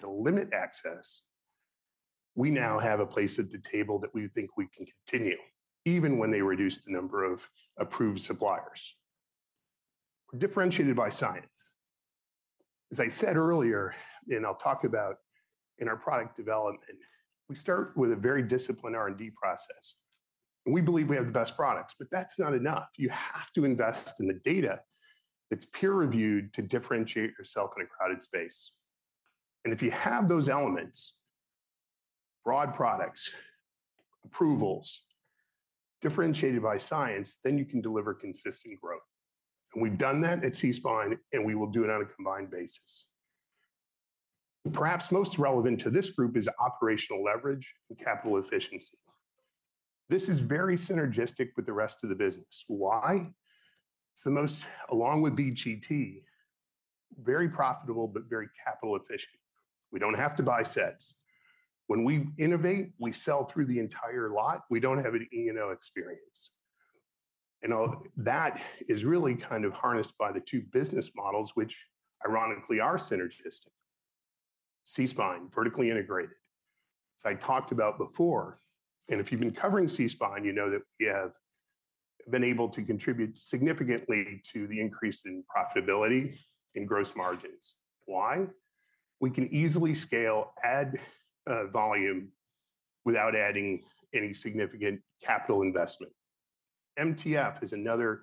To limit access, we now have a place at the table that we think we can continue, even when they reduce the number of approved suppliers. Differentiated by science. As I said earlier, and I'll talk about in our product development, we start with a very disciplined R&D process. We believe we have the best products, but that's not enough. You have to invest in the data that's peer-reviewed to differentiate yourself in a crowded space. If you have those elements, broad products, approvals, differentiated by science, then you can deliver consistent growth. We've done that at SeaSpine, and we will do it on a combined basis. Perhaps most relevant to this group is operational leverage and capital efficiency. This is very synergistic with the rest of the business. Why? It's the most, along with BGT, very profitable but very capital efficient. We don't have to buy sets. When we innovate, we sell through the entire lot. We don't have an E&O experience. That is really kind of harnessed by the two business models, which ironically are synergistic. SeaSpine, vertically integrated. As I talked about before, and if you've been covering SeaSpine, you know that we have been able to contribute significantly to the increase in profitability and gross margins. Why? We can easily scale, add volume without adding any significant capital investment. MTF is another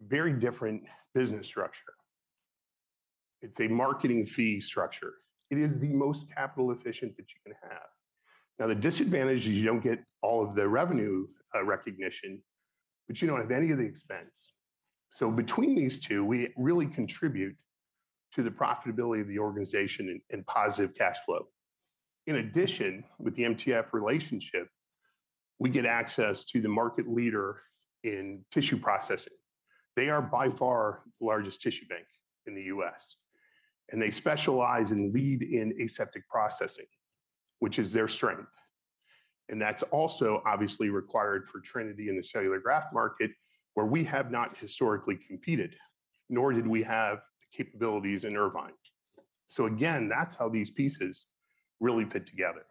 very different business structure. It's a marketing fee structure. It is the most capital efficient that you can have. Now, the disadvantage is you don't get all of the revenue recognition, but you don't have any of the expense. Between these two, we really contribute to the profitability of the organization and positive cash flow. In addition, with the MTF relationship, we get access to the market leader in tissue processing. They are by far the largest tissue bank in the U.S., and they specialize and lead in aseptic processing, which is their strength. That's also obviously required for Trinity in the cellular graft market, where we have not historically competed, nor did we have the capabilities in Irvine. Again, that's how these pieces really fit together.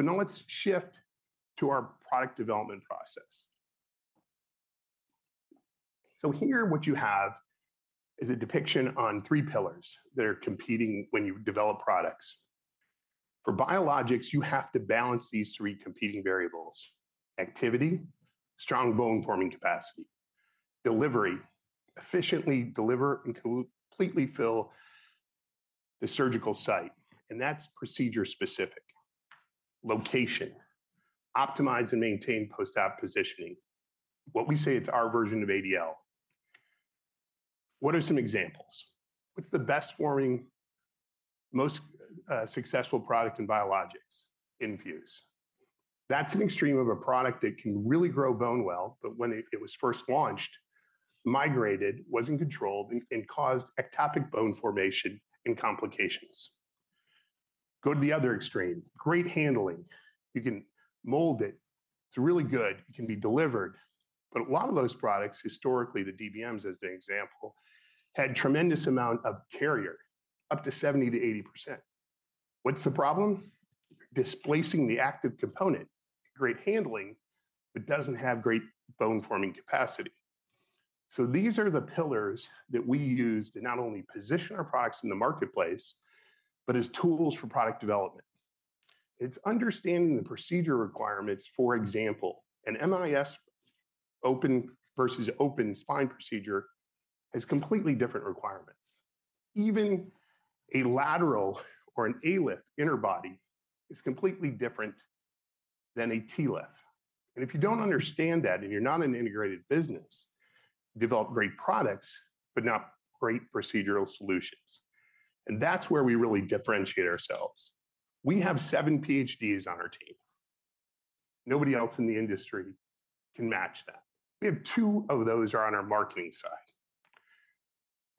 Now let's shift to our product development process. Here what you have is a depiction on three pillars that are competing when you develop products. For biologics, you have to balance these three competing variables: activity, strong bone-forming capacity, delivery, efficiently deliver, and completely fill the surgical site, and that's procedure-specific. Location, optimize and maintain post-op positioning. What we say it's our version of ADL. What are some examples? What's the best-forming, most successful product in biologics? Infuse. That's an extreme of a product that can really grow bone well, but when it was first launched, migrated, wasn't controlled, and caused ectopic bone formation and complications. Go to the other extreme. Great handling. You can mold it. It's really good. It can be delivered. A lot of those products historically, the DBMs as the example, had tremendous amount of carrier, up to 70% to 80%. What's the problem? Displacing the active component. Great handling, but doesn't have great bone-forming capacity. These are the pillars that we use to not only position our products in the marketplace, but as tools for product development. It's understanding the procedure requirements. For example, an MIS open versus open spine procedure has completely different requirements. Even a lateral or an ALIF inner body is completely different than a TLIF. If you don't understand that, and you're not an integrated business, develop great products, but not great procedural solutions. That's where we really differentiate ourselves. We have seven PhDs on our team. Nobody else in the industry can match that. We have two of those are on our marketing side.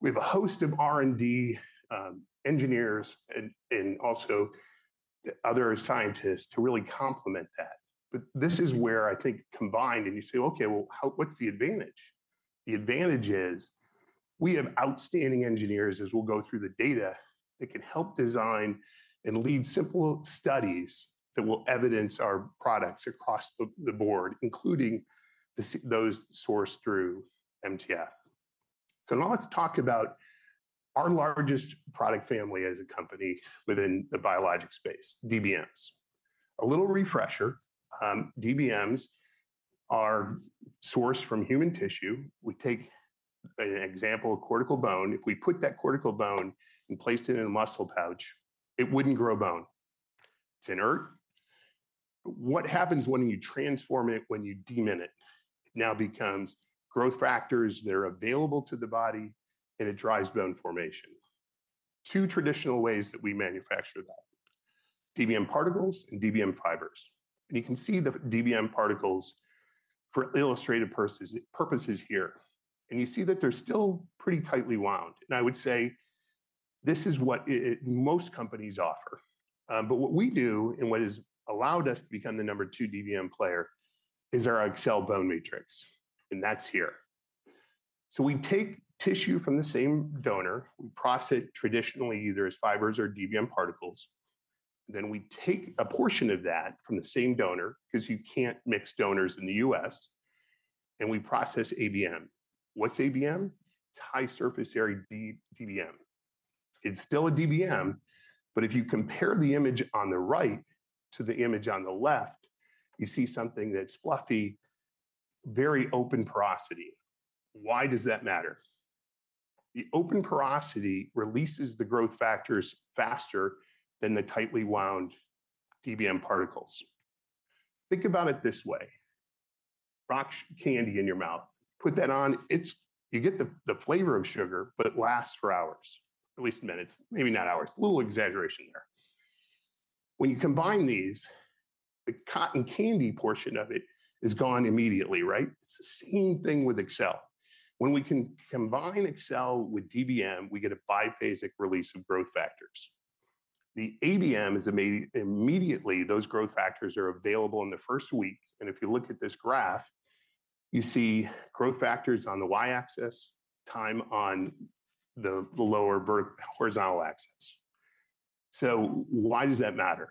We have a host of R&D engineers and also other scientists to really complement that. This is where I think combined and you say, "Okay, what's the advantage?" The advantage is we have outstanding engineers, as we'll go through the data, that can help design and lead simple studies that will evidence our products across the board, including those sourced through MTF. Now let's talk about our largest product family as a company within the biologic space, DBMs. A little refresher, DBMs are sourced from human tissue. We take an example of cortical bone. If we put that cortical bone and placed it in a muscle pouch, it wouldn't grow bone. It's inert. What happens when you transform it, when you demineral it? It now becomes growth factors that are available to the body, and it drives bone formation. Two traditional ways that we manufacture that, DBM particles and DBM fibers. You can see the DBM particles for illustrative purposes here. You see that they're still pretty tightly wound. I would say this is what most companies offer. What we do and what has allowed us to become the number two DBM player is our Accell Bone Matrix, and that's here. We take tissue from the same donor, we process it traditionally, either as fibers or DBM particles. We take a portion of that from the same donor, 'cause you can't mix donors in the U.S., we process ABM. What's ABM? It's high surface area DBM. It's still a DBM, but if you compare the image on the right to the image on the left, you see something that's fluffy, very open porosity. Why does that matter? The open porosity releases the growth factors faster than the tightly wound DBM particles. Think about it this way. Rock candy in your mouth. Put that on. You get the flavor of sugar, but it lasts for hours. At least minutes, maybe not hours. A little exaggeration there. When you combine these, the cotton candy portion of it is gone immediately, right? It's the same thing with Accell. When we combine Accell with DBM, we get a biphasic release of growth factors. The ABM is immediately, those growth factors are available in the first week, and if you look at this graph, you see growth factors on the Y-axis, time on the horizontal axis. Why does that matter?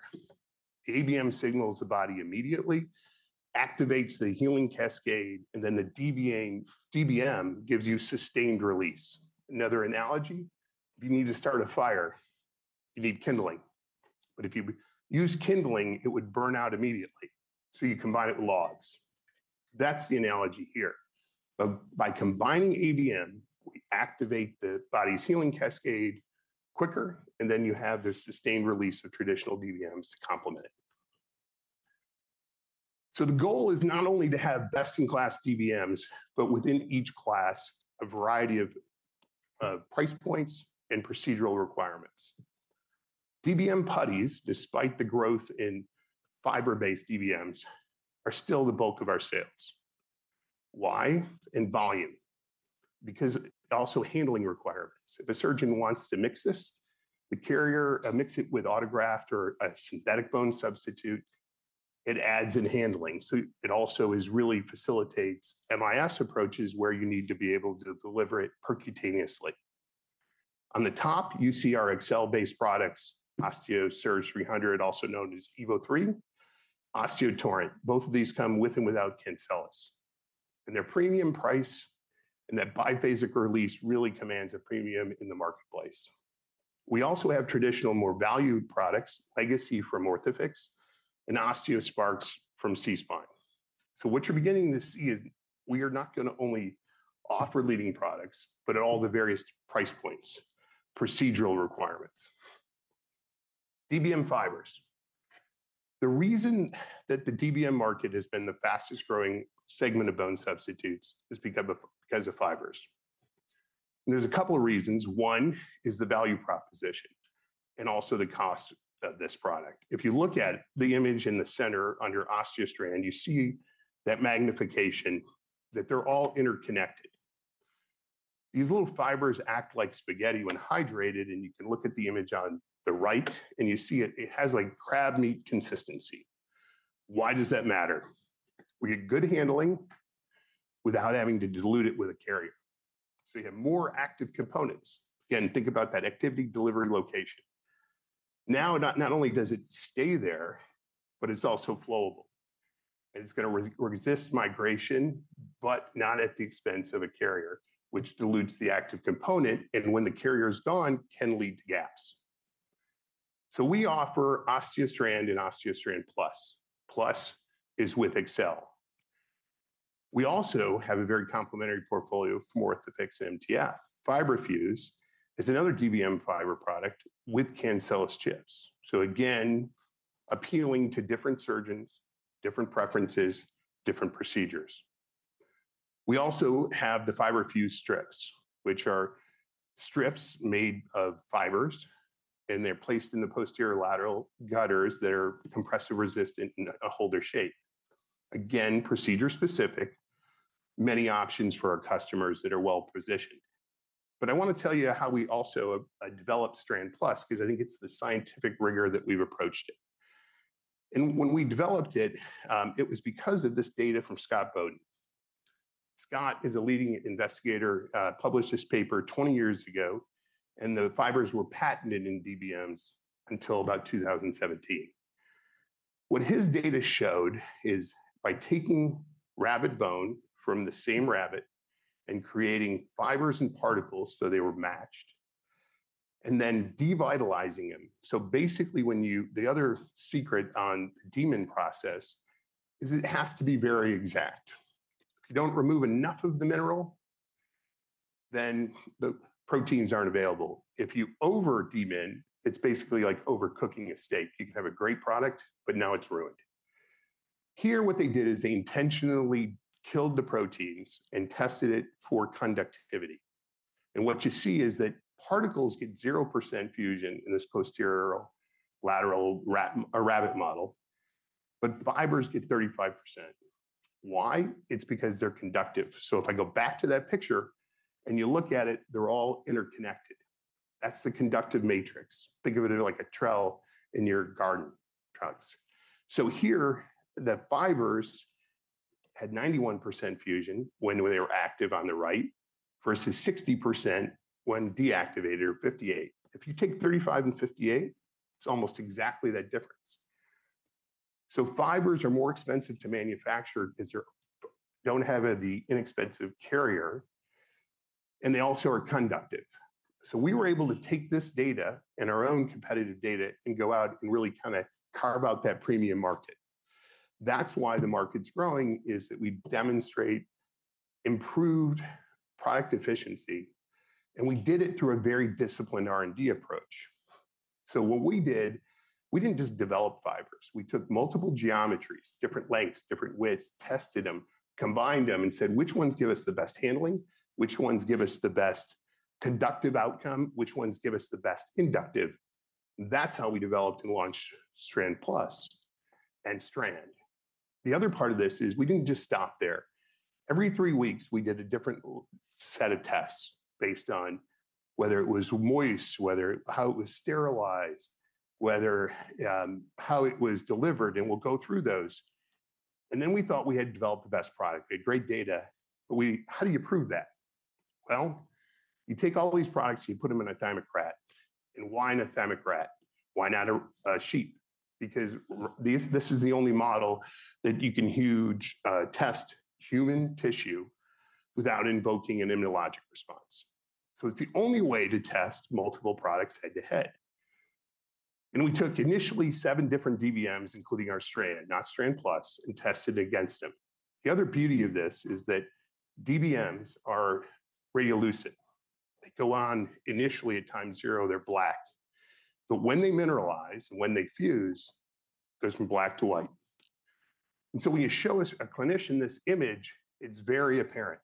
ABM signals the body immediately, activates the healing cascade, the DBM gives you sustained release. Another analogy, if you need to start a fire, you need kindling. If you use kindling, it would burn out immediately. You combine it with logs. That's the analogy here. By combining ABM, we activate the body's healing cascade quicker, and then you have the sustained release of traditional DBMs to complement it. The goal is not only to have best-in-class DBMs, but within each class, a variety of price points and procedural requirements. DBM putties, despite the growth in fiber-based DBMs, are still the bulk of our sales. Why? In volume. Also handling requirements. If a surgeon wants to mix this, the carrier, mix it with autograft or a synthetic bone substitute, it adds in handling. It also really facilitates MIS approaches where you need to be able to deliver it percutaneously. On the top, you see our Accell-based products, OsteoSurge 300, also known as Evo3, OsteoTorrent. Both of these come with and without cancellous. Their premium price and that biphasic release really commands a premium in the marketplace. We also have traditional more valued products, Legacy from Orthofix and OsteoSparx from SeaSpine. What you're beginning to see is we are not gonna only offer leading products, but at all the various price points, procedural requirements. DBM fibers. The reason that the DBM market has been the fastest-growing segment of bone substitutes is because of fibers. There's a couple of reasons. One is the value proposition, and also the cost of this product. If you look at the image in the center on your OsteoStrand, you see that magnification, that they're all interconnected. These little fibers act like spaghetti when hydrated, and you can look at the image on the right, and you see it has like crab meat consistency. Why does that matter? We get good handling without having to dilute it with a carrier. We have more active components. Think about that activity delivery location. Not only does it stay there, but it's also flowable. It's gonna resist migration, but not at the expense of a carrier, which dilutes the active component, and when the carrier's gone, can lead to gaps. We offer OsteoStrand and OsteoStrand Plus. Plus is with Accell. We also have a very complementary portfolio from Orthofix and MTF. FiberFuse is another DBM fiber product with cancellous chips. Again, appealing to different surgeons, different preferences, different procedures. We also have the FiberFuse strips, which are strips made of fibers, and they're placed in the posterior lateral gutters that are compressive resistant and hold their shape. Again, procedure-specific. Many options for our customers that are well-positioned. I wanna tell you how we also developed Strand Plus, 'cause I think it's the scientific rigor that we've approached it. When we developed it was because of this data from Scott Boden. Scott is a leading investigator, published this paper 20 years ago, the fibers were patented in DBMs until about 2017. What his data showed is by taking rabbit bone from the same rabbit and creating fibers and particles, so they were matched, and then devitalizing them. Basically, the other secret on deamine process is it has to be very exact. If you don't remove enough of the mineral, then the proteins aren't available. If you overdeamine, it's basically like overcooking a steak. You can have a great product, but now it's ruined. Here, what they did is they intentionally killed the proteins and tested it for conductivity. What you see is that particles get 0% fusion in this posterior lateral rabbit model, but fibers get 35%. Why? It's because they're conductive. If I go back to that picture and you look at it, they're all interconnected. That's the conductive matrix. Think of it as like a trail in your garden tracks. Here, the fibers had 91% fusion when they were active on the right versus 60% when deactivated, or 58%. If you take 35% and 58%, it's almost exactly that difference. Fibers are more expensive to manufacture 'cause they don't have the inexpensive carrier, and they also are conductive. We were able to take this data and our own competitive data and go out and really kinda carve out that premium market. The market's growing, is that we demonstrate improved product efficiency, and we did it through a very disciplined R&D approach. What we did, we didn't just develop fibers. We took multiple geometries, different lengths, different widths, tested them, combined them, and said, "Which ones give us the best handling? Which ones give us the best conductive outcome? Which ones give us the best inductive?" That's how we developed and launched Strand Plus and Strand. The other part of this is we didn't just stop there. Every three weeks, we did a different set of tests based on whether it was moist, how it was sterilized, how it was delivered, and we'll go through those. We thought we had developed the best product. We had great data, how do you prove that? You take all these products, you put them in a athymic rat. Why in a [thymocrat]? Why not a sheep? This is the only model that you can test human tissue without invoking an immunologic response. It's the only way to test multiple products head-to-head. We took initially seven different DBMs, including our Strand, not Strand+, and tested against them. The other beauty of this is that DBMs are radiolucent. They go on initially at time zero, they're black. When they mineralize and when they fuse, it goes from black to white. When you show a clinician this image, it's very apparent.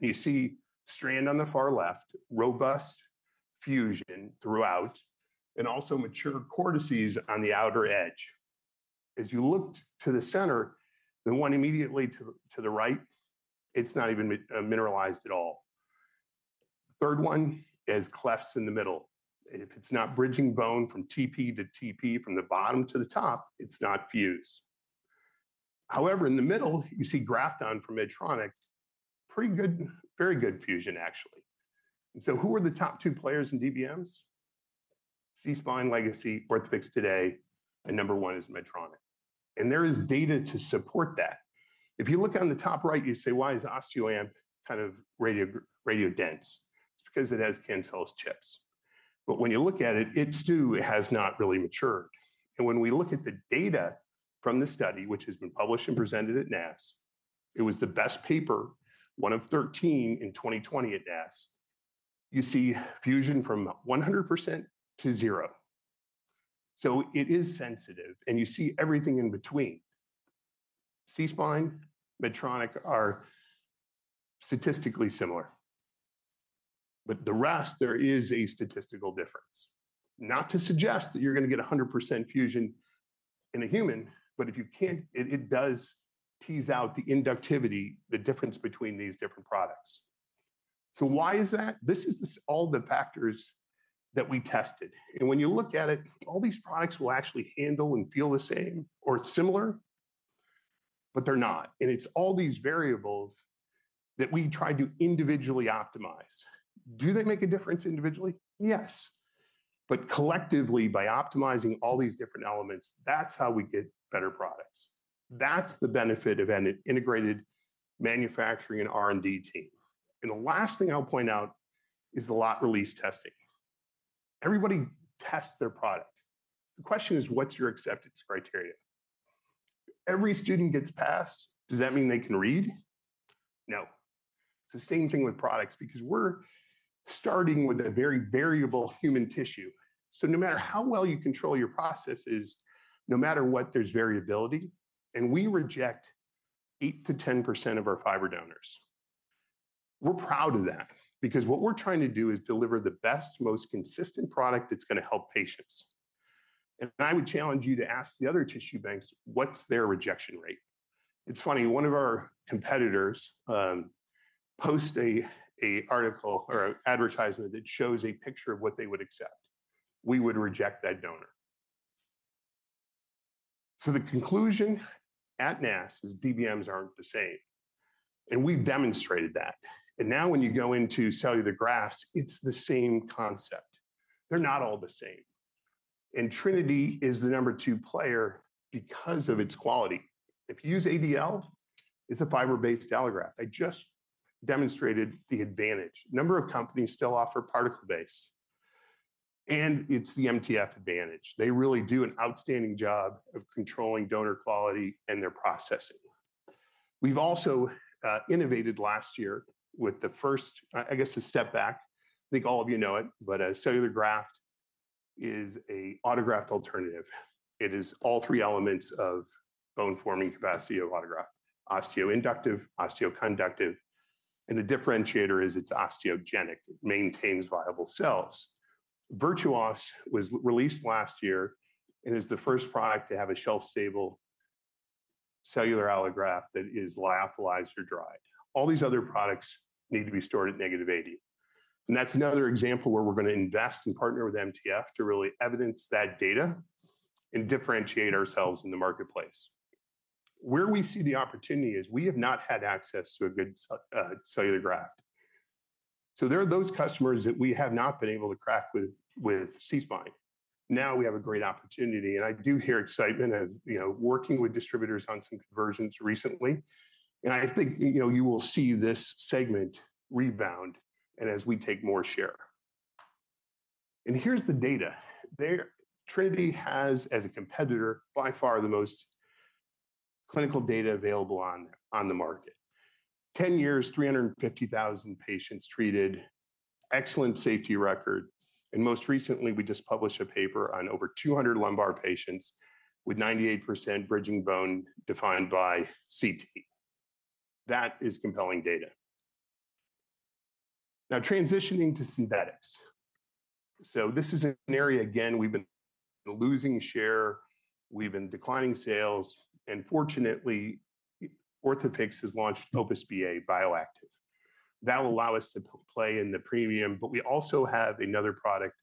You see Strand on the far left robust fusion throughout, and also mature cortices on the outer edge. As you look to the center, the one immediately to the right, it's not even mineralized at all. Third one has clefts in the middle. If it's not bridging bone from TP to TP, from the bottom to the top, it's not fused. However, in the middle, you see Grafton from Medtronic, very good fusion, actually. Who are the top two players in DBMs? SeaSpine Legacy, Orthofix today, and number one is Medtronic. There is data to support that. If you look on the top right, you say, "Why is OsteoAMP kind of radiodense?" It's because it has cancellous chips. When you look at it too has not really matured. When we look at the data from this study, which has been published and presented at NASS, it was the best paper, one of 13 in 2020 at NASS. You see fusion from 100% to 0%. It is sensitive, and you see everything in between. SeaSpine, Medtronic are statistically similar. The rest, there is a statistical difference. Not to suggest that you're gonna get 100% fusion in a human, but if you can, it does tease out the inductivity, the difference between these different products. Why is that? This is all the factors that we tested. When you look at it, all these products will actually handle and feel the same or similar, but they're not. It's all these variables that we try to individually optimize. Do they make a difference individually? Yes. Collectively, by optimizing all these different elements, that's how we get better products. That's the benefit of an integrated manufacturing and R&D team. The last thing I'll point out is the lot release testing. Everybody tests their product. The question is, what's your acceptance criteria? Every student gets passed, does that mean they can read? No. It's the same thing with products because we're starting with a very variable human tissue. No matter how well you control your processes, no matter what, there's variability, and we reject 8%-10% of our fiber donors. We're proud of that because what we're trying to do is deliver the best, most consistent product that's gonna help patients. I would challenge you to ask the other tissue banks, what's their rejection rate? It's funny, one of our competitors, post a article or a advertisement that shows a picture of what they would accept. We would reject that donor. The conclusion at NASS is DBMs aren't the same, and we've demonstrated that. Now when you go into cellular grafts, it's the same concept. They're not all the same. Trinity is the number two player because of its quality. If you use ADL, it's a fiber-based allograft. I just demonstrated the advantage. A number of companies still offer particle-based, and it's the MTF advantage. They really do an outstanding job of controlling donor quality and their processing. We've also innovated last year with the first-- I guess a step back. I think all of you know it, but a cellular graft is a autograft alternative. It is all three elements of bone-forming capacity of autograft: osteoinductive, osteoconductive, and the differentiator is it's osteogenic. It maintains viable cells. Virtuos was released last year and is the first product to have a shelf-stable cellular allograft that is lyophilized or dried. All these other products need to be stored at -80. That's another example where we're going to invest and partner with MTF to really evidence that data and differentiate ourselves in the marketplace. Where we see the opportunity is we have not had access to a good cellular graft. There are those customers that we have not been able to crack with SeaSpine. Now we have a great opportunity, and I do hear excitement as, you know, working with distributors on some conversions recently. I think, you know, you will see this segment rebound and as we take more share. Here's the data. Trinity has, as a competitor, by far the most clinical data available on the market. 10 years, 350,000 patients treated, excellent safety record, and most recently, we just published a paper on over 200 lumbar patients with 98% bridging bone defined by CT. That is compelling data. Transitioning to synthetics. This is an area, again, we've been losing share, we've been declining sales, and fortunately, Orthofix has launched Opus BA Bioactive. That will allow us to play in the premium. We also have another product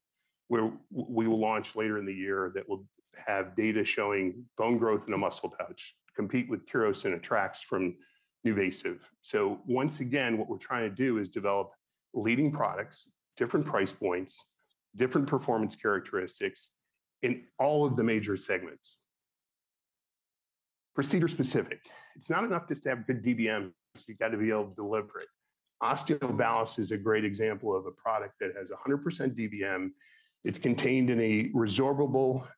where we will launch later in the year that will have data showing bone growth in a muscle pouch, compete with Korsuva Trax from NuVasive. Once again, what we're trying to do is develop leading products, different price points, different performance characteristics in all of the major segments. Procedure specific. It's not enough just to have good DBM, you gotta be able to deliver it. OsteoBallast is a great example of a product that has 100% DBM. It's contained in a resorbable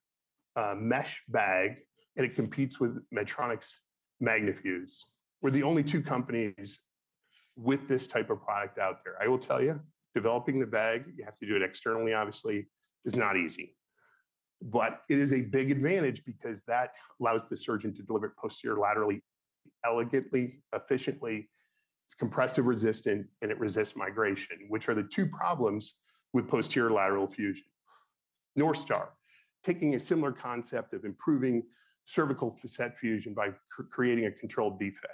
mesh bag, it competes with Medtronic's MagnaFuse. We're the only two companies with this type of product out there. I will tell you, developing the bag, you have to do it externally, obviously, is not easy. It is a big advantage because that allows the surgeon to deliver it posterior laterally, elegantly, efficiently. It's compressive resistant, and it resists migration, which are the two problems with posterior lateral fusion. NorthStar, taking a similar concept of improving cervical facet fusion by creating a controlled defect.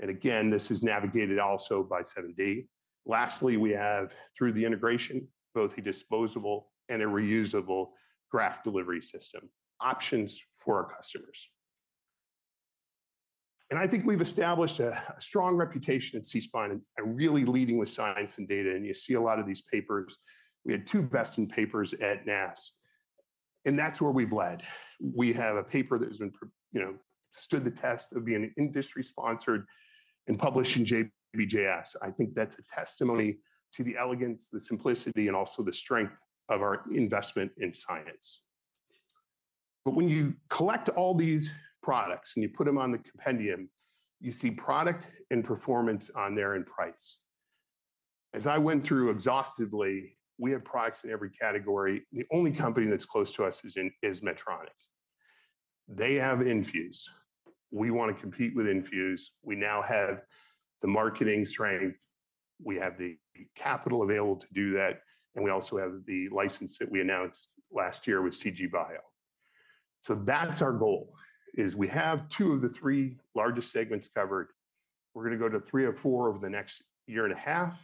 Again, this is navigated also by 7D. Lastly, we have, through the integration, both a disposable and a reusable graft delivery system, options for our customers. I think we've established a strong reputation at SeaSpine and really leading with science and data, and you see a lot of these papers. We had two Best in Papers at NASS, and that's where we've led. We have a paper that has been, you know, stood the test of being industry sponsored and published in JBJS. I think that's a testimony to the elegance, the simplicity, and also the strength of our investment in science. When you collect all these products and you put them on the compendium, you see product and performance on there and price. As I went through exhaustively, we have products in every category. The only company that's close to us is Medtronic. They have Infuse. We wanna compete with Infuse. We now have the marketing strength, we have the capital available to do that, and we also have the license that we announced last year with CGBio. That's our goal, is we have two of the three largest segments covered. We're gonna go to three or four over the next year and a half,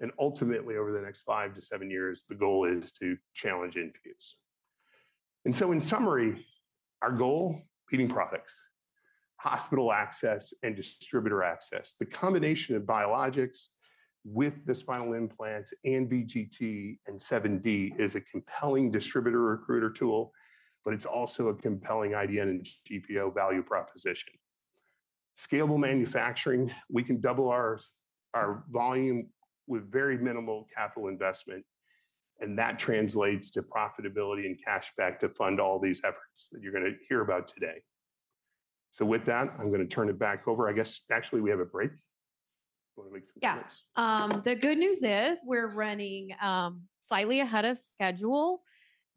and ultimately over the next five to seven years, the goal is to challenge Infuse. In summary, our goal, leading products, hospital access, and distributor access. The combination of biologics with the spinal implants and BGT and 7D is a compelling distributor recruiter tool, but it's also a compelling IDN and GPO value proposition. Scalable manufacturing, we can double our volume with very minimal capital investment. That translates to profitability and cash back to fund all these efforts that you're gonna hear about today. With that, I'm gonna turn it back over. I guess, actually, we have a break. Wanna make some comments? Yeah. The good news is we're running slightly ahead of schedule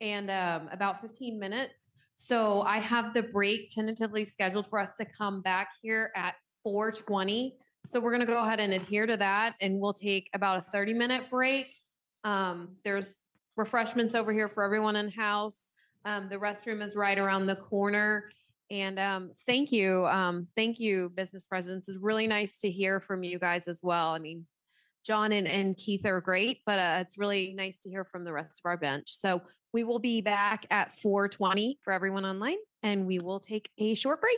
and about 15 minutes. I have the break tentatively scheduled for us to come back here at 4:20 P.M. We're gonna go ahead and adhere to that, and we'll take about a 30-minute break. There's refreshments over here for everyone in-house. The restroom is right around the corner. Thank you, thank you, business presidents. It's really nice to hear from you guys as well. I mean, John and Keith are great, but it's really nice to hear from the rest of our bench. We will be back at 4:20 P.M. for everyone online, and we will take a short break.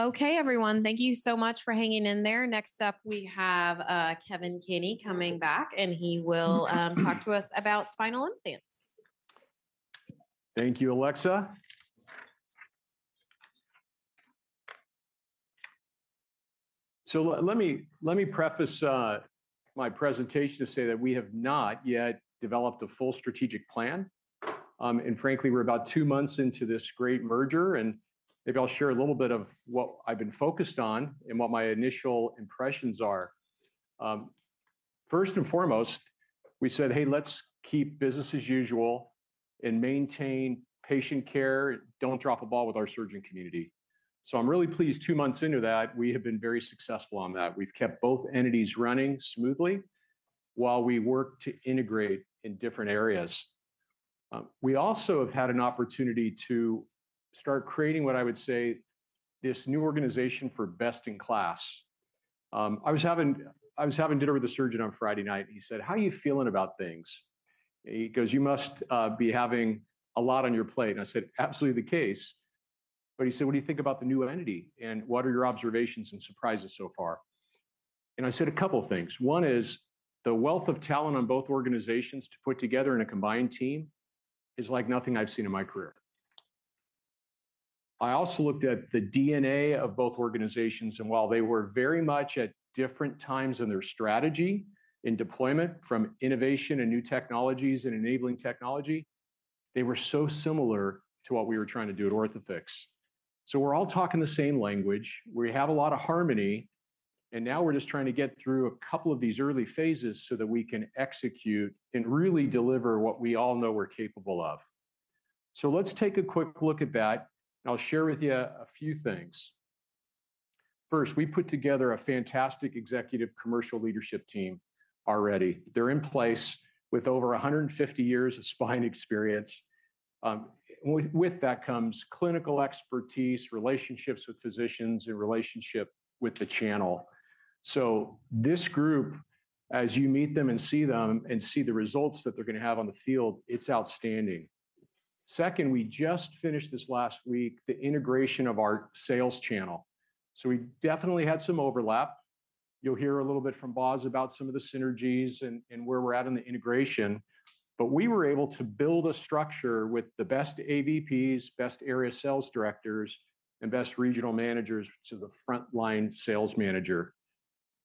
Okay, everyone. Thank you so much for hanging in there. Next up, we have Kevin Kenny coming back, and he will talk to us about spinal implants. Thank you, Alexa. Let me preface my presentation to say that we have not yet developed a full strategic plan. Frankly, we're about two months into this great merger, and maybe I'll share a little bit of what I've been focused on and what my initial impressions are. First and foremost, we said, "Hey, let's keep business as usual and maintain patient care. Don't drop a ball with our surgeon community." I'm really pleased two months into that, we have been very successful on that. We've kept both entities running smoothly while we work to integrate in different areas. We also have had an opportunity to start creating what I would say this new organization for best in class. I was having dinner with a surgeon on Friday night, he said, "How are you feeling about things?" He goes, "You must be having a lot on your plate." I said, "Absolutely the case." He said, "What do you think about the new entity, and what are your observations and surprises so far?" I said a couple things. One is the wealth of talent on both organizations to put together in a combined team is like nothing I've seen in my career. I also looked at the DNA of both organizations, and while they were very much at different times in their strategy, in deployment from innovation and new technologies and enabling technology, they were so similar to what we were trying to do at Orthofix. We're all talking the same language. We have a lot of harmony. Now we're just trying to get through a couple of these early phases so that we can execute and really deliver what we all know we're capable of. Let's take a quick look at that, and I'll share with you a few things. First, we put together a fantastic executive commercial leadership team already. They're in place with over 150 years of spine experience. With that comes clinical expertise, relationships with physicians, and relationship with the channel. This group, as you meet them and see them and see the results that they're gonna have on the field, it's outstanding. Second, we just finished this last week, the integration of our sales channel. We definitely had some overlap. You'll hear a little bit from Boz about some of the synergies and where we're at in the integration. We were able to build a structure with the best AVPs, best area sales directors, and best regional managers to the frontline sales manager.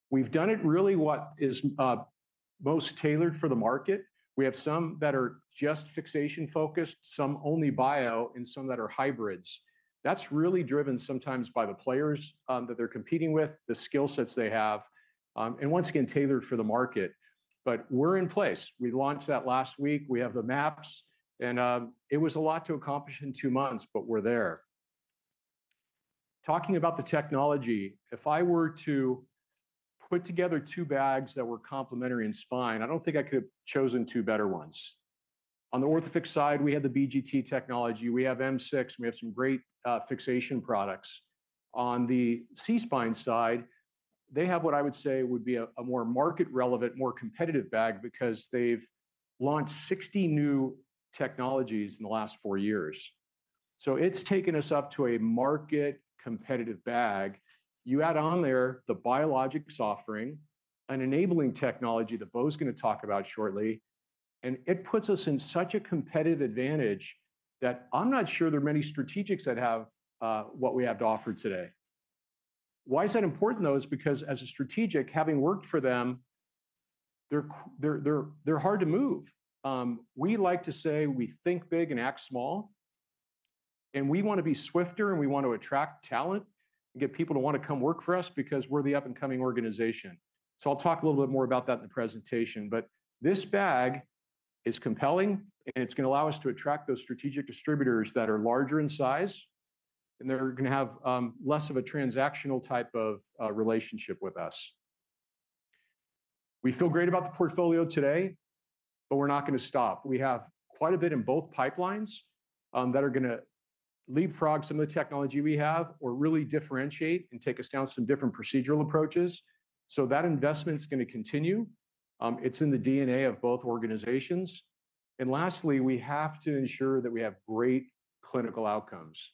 We've done it really what is most tailored for the market. We have some that are just fixation-focused, some only bio, and some that are hybrids. That's really driven sometimes by the players, that they're competing with, the skill sets they have, and once again, tailored for the market. We're in place. We launched that last week. We have the maps. It was a lot to accomplish in two months. We're there. Talking about the technology, if I were to put together two bags that were complementary in spine, I don't think I could have chosen two better ones. On the Orthofix side, we have the BGT technology. We have M6. We have some great fixation products. On the SeaSpine side, they have what I would say would be a more market-relevant, more competitive bag because they've launched 60 new technologies in the last years. It's taken us up to a market competitive bag. You add on there the biologics offering, an enabling technology that Beau's gonna talk about shortly, it puts us in such a competitive advantage that I'm not sure there are many strategics that have what we have to offer today. Why is that important, though? It's because as a strategic, having worked for them, they're hard to move. We like to say we think big and act small, we wanna be swifter, we want to attract talent and get people to wanna come work for us because we're the up-and-coming organization. I'll talk a little bit more about that in the presentation. This bag is compelling, it's gonna allow us to attract those strategic distributors that are larger in size, they're gonna have less of a transactional type of relationship with us. We feel great about the portfolio today, we're not gonna stop. We have quite a bit in both pipelines that are gonna leapfrog some of the technology we have really differentiate take us down some different procedural approaches. That investment's gonna continue. It's in the DNA of both organizations. Lastly, we have to ensure that we have great clinical outcomes.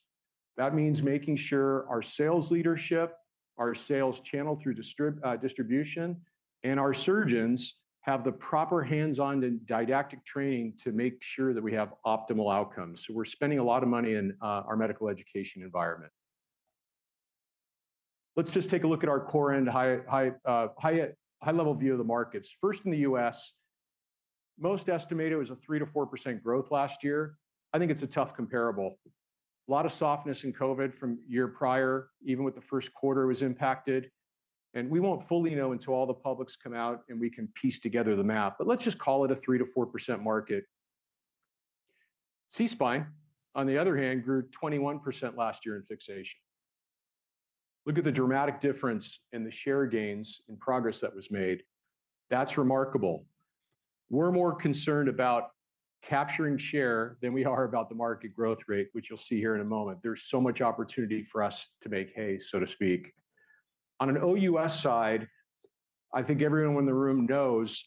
That means making sure our sales leadership, our sales channel through distribution, and our surgeons have the proper hands-on and didactic training to make sure that we have optimal outcomes. We're spending a lot of money in our medical education environment. Let's just take a look at our core end high-level view of the markets. First, in the U.S., most estimate it was a 3%-4% growth last year. I think it's a tough comparable. A lot of softness in COVID from year prior, even with the first quarter was impacted. We won't fully know until all the publics come out, and we can piece together the map. Let's just call it a 3%-4% market. SeaSpine, on the other hand, grew 21% last year in fixation. Look at the dramatic difference in the share gains and progress that was made. That's remarkable. We're more concerned about capturing share than we are about the market growth rate, which you'll see here in a moment. There's so much opportunity for us to make hay, so to speak. On an OUS side, I think everyone in the room knows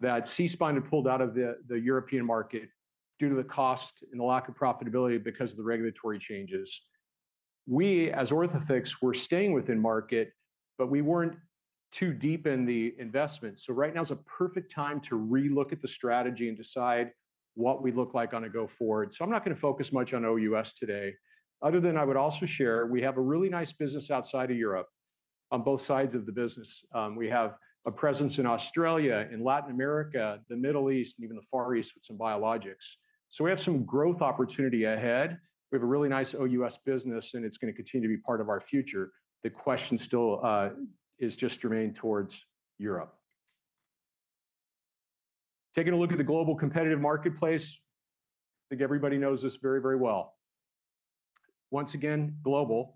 that SeaSpine had pulled out of the European market due to the cost and the lack of profitability because of the regulatory changes. We, as Orthofix, were staying within market, but we weren't too deep in the investment. Right now is a perfect time to relook at the strategy and decide what we look like on a go forward. I'm not gonna focus much on OUS today, other than I would also share we have a really nice business outside of Europe on both sides of the business. We have a presence in Australia, in Latin America, the Middle East, and even the Far East with some biologics. We have some growth opportunity ahead. We have a really nice OUS business, and it's gonna continue to be part of our future. The question still is just remain towards Europe. Taking a look at the global competitive marketplace, I think everybody knows this very, very well. Once again, global,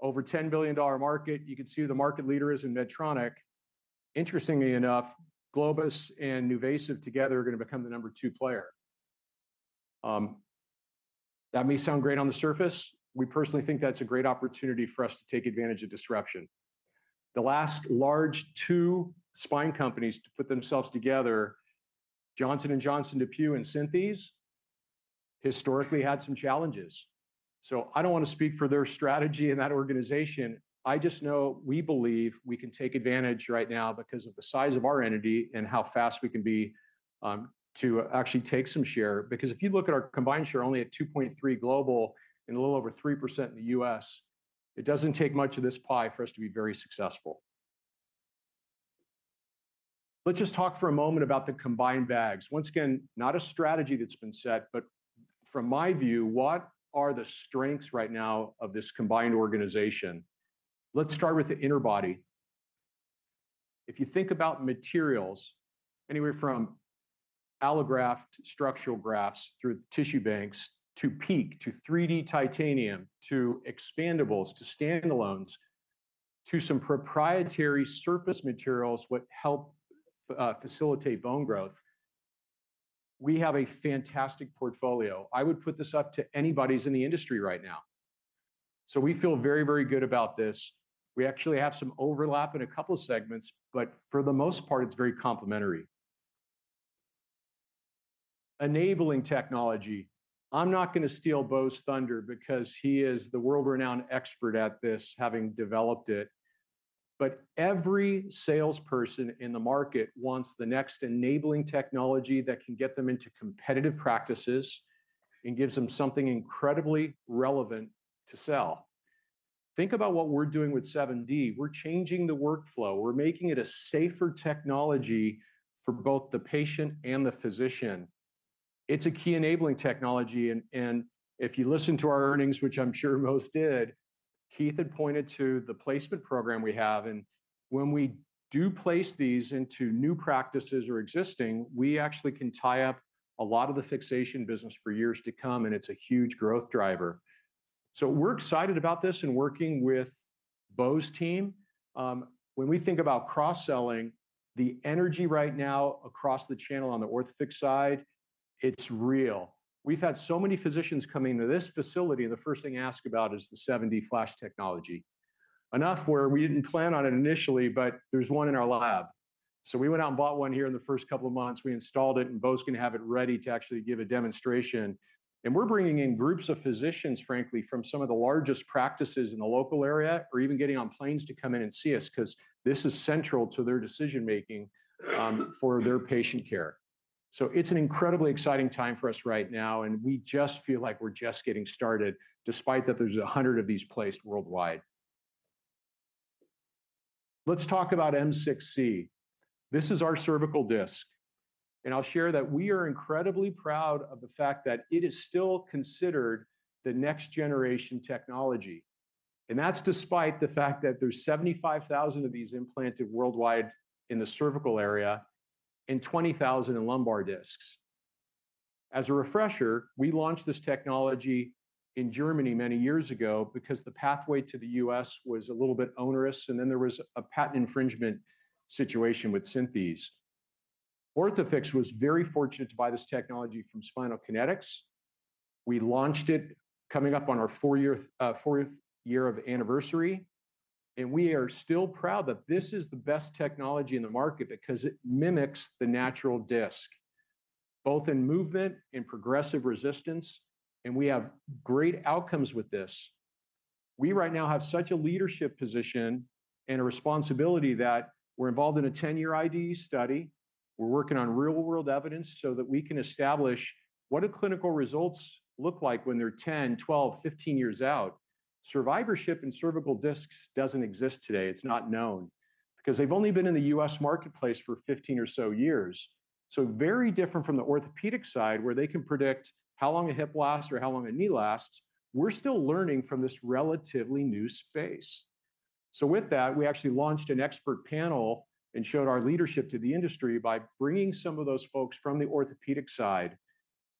over $10 billion dollar market. You can see the market leader is in Medtronic. Interestingly enough, Globus and NuVasive together are gonna become the number two player. That may sound great on the surface. We personally think that's a great opportunity for us to take advantage of disruption. The last large two spine companies to put themselves together, Johnson & Johnson and DePuy Synthes, historically had some challenges. I don't want to speak for their strategy in that organization. I just know we believe we can take advantage right now because of the size of our entity and how fast we can be to actually take some share. If you look at our combined share, only at 2.3% global and a little over 3% in the U.S., it doesn't take much of this pie for us to be very successful. Let's just talk for a moment about the combined bags. Once again, not a strategy that's been set, but from my view, what are the strengths right now of this combined organization? Let's start with the interbody. If you think about materials, anywhere from allograft structural grafts through tissue banks, to PEEK, to 3D titanium, to expandables, to standalones, to some proprietary surface materials what help facilitate bone growth, we have a fantastic portfolio. I would put this up to anybody's in the industry right now. We feel very, very good about this. We actually have some overlap in a couple of segments, for the most part, it's very complementary. Enabling Technologies. I'm not gonna steal Beau's thunder because he is the world-renowned expert at this, having developed it. Every salesperson in the market wants the next Enabling Technologies that can get them into competitive practices and gives them something incredibly relevant to sell. Think about what we're doing with 7D. We're changing the workflow. We're making it a safer technology for both the patient and the physician. It's a key enabling technology, and if you listen to our earnings, which I'm sure most did, Keith had pointed to the placement program we have. When we do place these into new practices or existing, we actually can tie up a lot of the fixation business for years to come, and it's a huge growth driver. We're excited about this and working with Beau's team. When we think about cross-selling, the energy right now across the channel on the Orthofix side, it's real. We've had so many physicians coming to this facility, the first thing asked about is the 7D FLASH technology. Enough where we didn't plan on it initially, but there's one in our lab. We went out and bought one here in the first couple of months. We installed it, and Beau's gonna have it ready to actually give a demonstration. We're bringing in groups of physicians, frankly, from some of the largest practices in the local area or even getting on planes to come in and see us 'cause this is central to their decision-making for their patient care. It's an incredibly exciting time for us right now, and we just feel like we're just getting started despite that there's 100 of these placed worldwide. Let's talk about M6-C. This is our cervical disc, and I'll share that we are incredibly proud of the fact that it is still considered the next generation technology. That's despite the fact that there's 75,000 of these implanted worldwide in the cervical area and 20,000 in lumbar discs. As a refresher, we launched this technology in Germany many years ago because the pathway to the U.S. was a little bit onerous, and then there was a patent infringement situation with Synthes. Orthofix was very fortunate to buy this technology from Spinal Kinetics. We launched it coming up on our fourth year of anniversary, and we are still proud that this is the best technology in the market because it mimics the natural disc, both in movement and progressive resistance, and we have great outcomes with this. We right now have such a leadership position and a responsibility that we're involved in a 10-year IDE study. We're working on real-world evidence so that we can establish what do clinical results look like when they're 10, 12, 15 years out. Survivorship in cervical discs doesn't exist today. It's not known because they've only been in the U.S. marketplace for 15 or so years. Very different from the orthopedic side, where they can predict how long a hip lasts or how long a knee lasts. We're still learning from this relatively new space. With that, we actually launched an expert panel and showed our leadership to the industry by bringing some of those folks from the orthopedic side,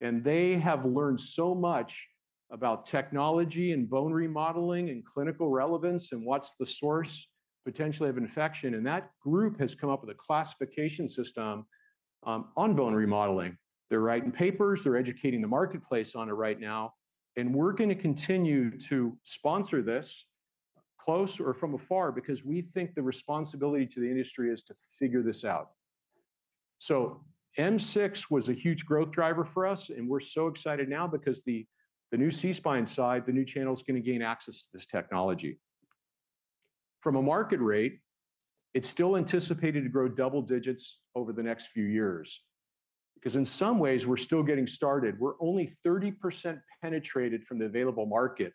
and they have learned so much about technology and bone remodeling and clinical relevance and what's the source potentially of infection. That group has come up with a classification system on bone remodeling. They're writing papers, they're educating the marketplace on it right now, and we're gonna continue to sponsor this close or from afar because we think the responsibility to the industry is to figure this out. M6 was a huge growth driver for us, and we're so excited now because the new C-spine side, the new channel's gonna gain access to this technology. From a market rate, it's still anticipated to grow double digits over the next few years. In some ways, we're still getting started. We're only 30% penetrated from the available market.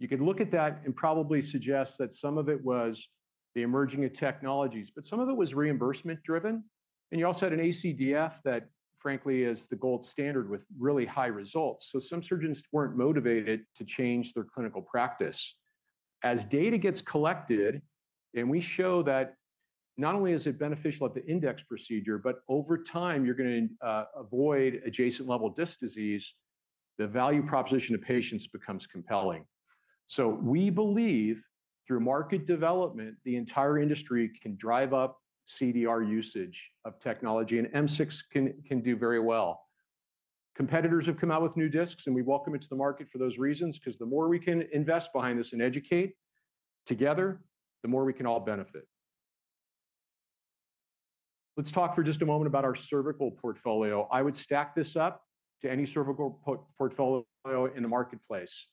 You could look at that and probably suggest that some of it was the emerging of technologies, but some of it was reimbursement driven. You also had an ACDF that frankly is the gold standard with really high results. Some surgeons weren't motivated to change their clinical practice. As data gets collected and we show that not only is it beneficial at the index procedure, but over time, you're gonna avoid adjacent level disc disease, the value proposition to patients becomes compelling. We believe through market development, the entire industry can drive up CDR usage of technology, and M6 can do very well. Competitors have come out with new discs, and we welcome it to the market for those reasons because the more we can invest behind this and educate together, the more we can all benefit. Let's talk for just a moment about our cervical portfolio. I would stack this up to any cervical portfolio in the marketplace.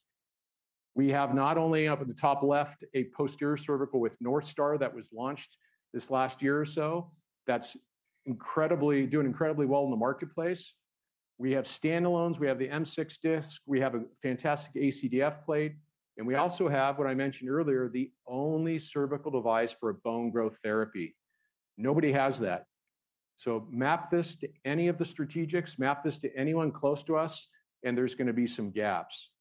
We have not only up at the top left, a posterior cervical with NorthStar that was launched this last year or so that's doing incredibly well in the marketplace. We have standalones, we have the M6 disc, we have a fantastic ACDF plate, and we also have, what I mentioned earlier, the only cervical device for bone growth therapy. Nobody has that. Map this to any of the strategics, map this to anyone close to us, there's gonna be some gaps.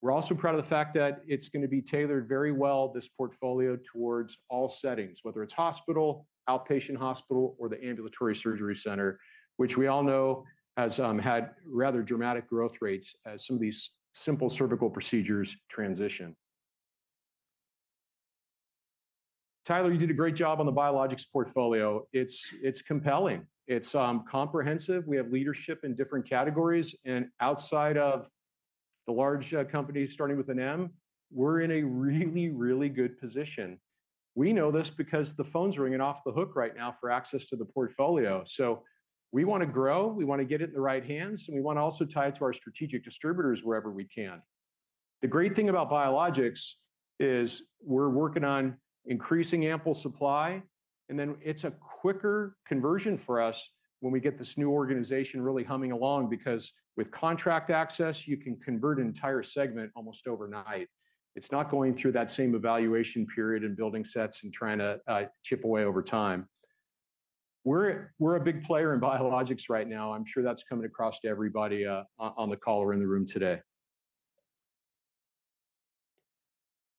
We're also proud of the fact that it's gonna be tailored very well, this portfolio, towards all settings, whether it's hospital, outpatient hospital, or the ambulatory surgery center, which we all know has had rather dramatic growth rates as some of these simple cervical procedures transition. Tyler, you did a great job on the biologics portfolio. It's compelling. It's comprehensive. We have leadership in different categories. Outside of the large company starting with an M, we're in a really, really good position. We know this because the phone's ringing off the hook right now for access to the portfolio. We wanna grow, we wanna get it in the right hands, and we wanna also tie it to our strategic distributors wherever we can. The great thing about biologics is we're working on increasing ample supply, and then it's a quicker conversion for us when we get this new organization really humming along because with contract access, you can convert an entire segment almost overnight. It's not going through that same evaluation period and building sets and trying to chip away over time. We're a big player in biologics right now. I'm sure that's coming across to everybody on the call or in the room today.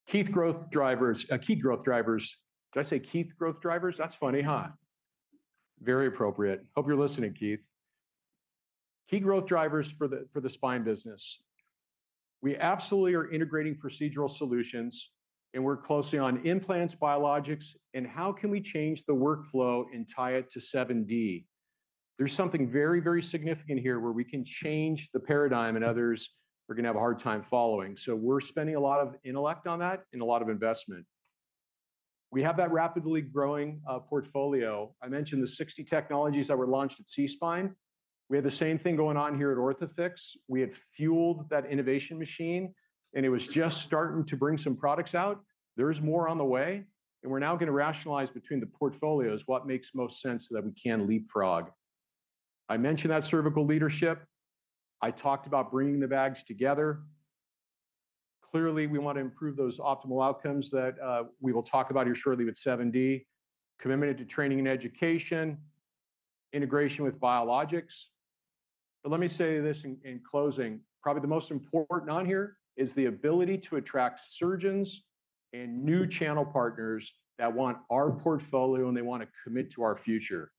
Key growth drivers. Key growth drivers. Did I say Keith growth drivers? That's funny, huh? Very appropriate. Hope you're listening, Keith. Key growth drivers for the spine business. We absolutely are integrating procedural solutions, and we're closely on implants, biologics, and how can we change the workflow and tie it to 7D. There's something very, very significant here where we can change the paradigm and others are gonna have a hard time following. We're spending a lot of intellect on that and a lot of investment. We have that rapidly growing portfolio. I mentioned the 60 technologies that were launched at SeaSpine. We have the same thing going on here at Orthofix. We have fueled that innovation machine, and it was just starting to bring some products out. There's more on the way, and we're now gonna rationalize between the portfolios what makes most sense so that we can leapfrog. I mentioned that cervical leadership. I talked about bringing the bags together. Clearly, we want to improve those optimal outcomes that we will talk about here shortly with 7D. Commitment to training and education, integration with biologics. Let me say this in closing. Probably the most important on here is the ability to attract surgeons and new channel partners that want our portfolio and they wanna commit to our future.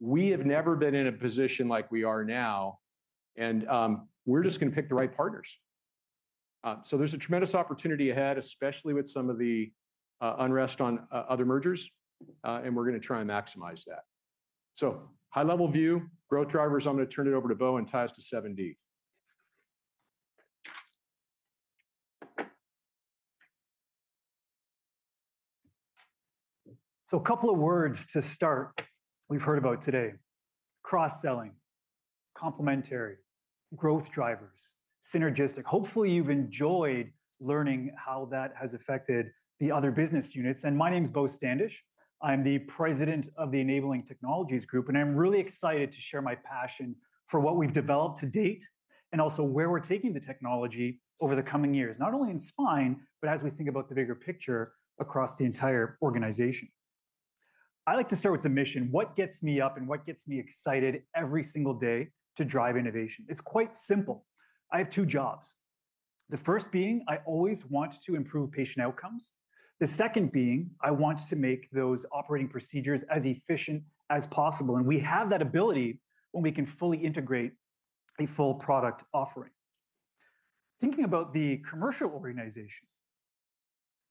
We have never been in a position like we are now, and we're just gonna pick the right partners. There's a tremendous opportunity ahead, especially with some of the unrest on other mergers, and we're gonna try and maximize that. High-level view, growth drivers, I'm gonna turn it over to Beau and ties to 7D. A couple of words to start we've heard about today. Cross-selling, complementary, growth drivers, synergistic. Hopefully, you've enjoyed learning how that has affected the other business units. My name's Beau Standish. I'm the President of the Enabling Technologies Group, and I'm really excited to share my passion for what we've developed to date and also where we're taking the technology over the coming years, not only in spine, but as we think about the bigger picture across the entire organization. I like to start with the mission, what gets me up and what gets me excited every single day to drive innovation. It's quite simple. I have two jobs. The first being I always want to improve patient outcomes, the second being I want to make those operating procedures as efficient as possible, and we have that ability when we can fully integrate a full product offering. Thinking about the commercial organization,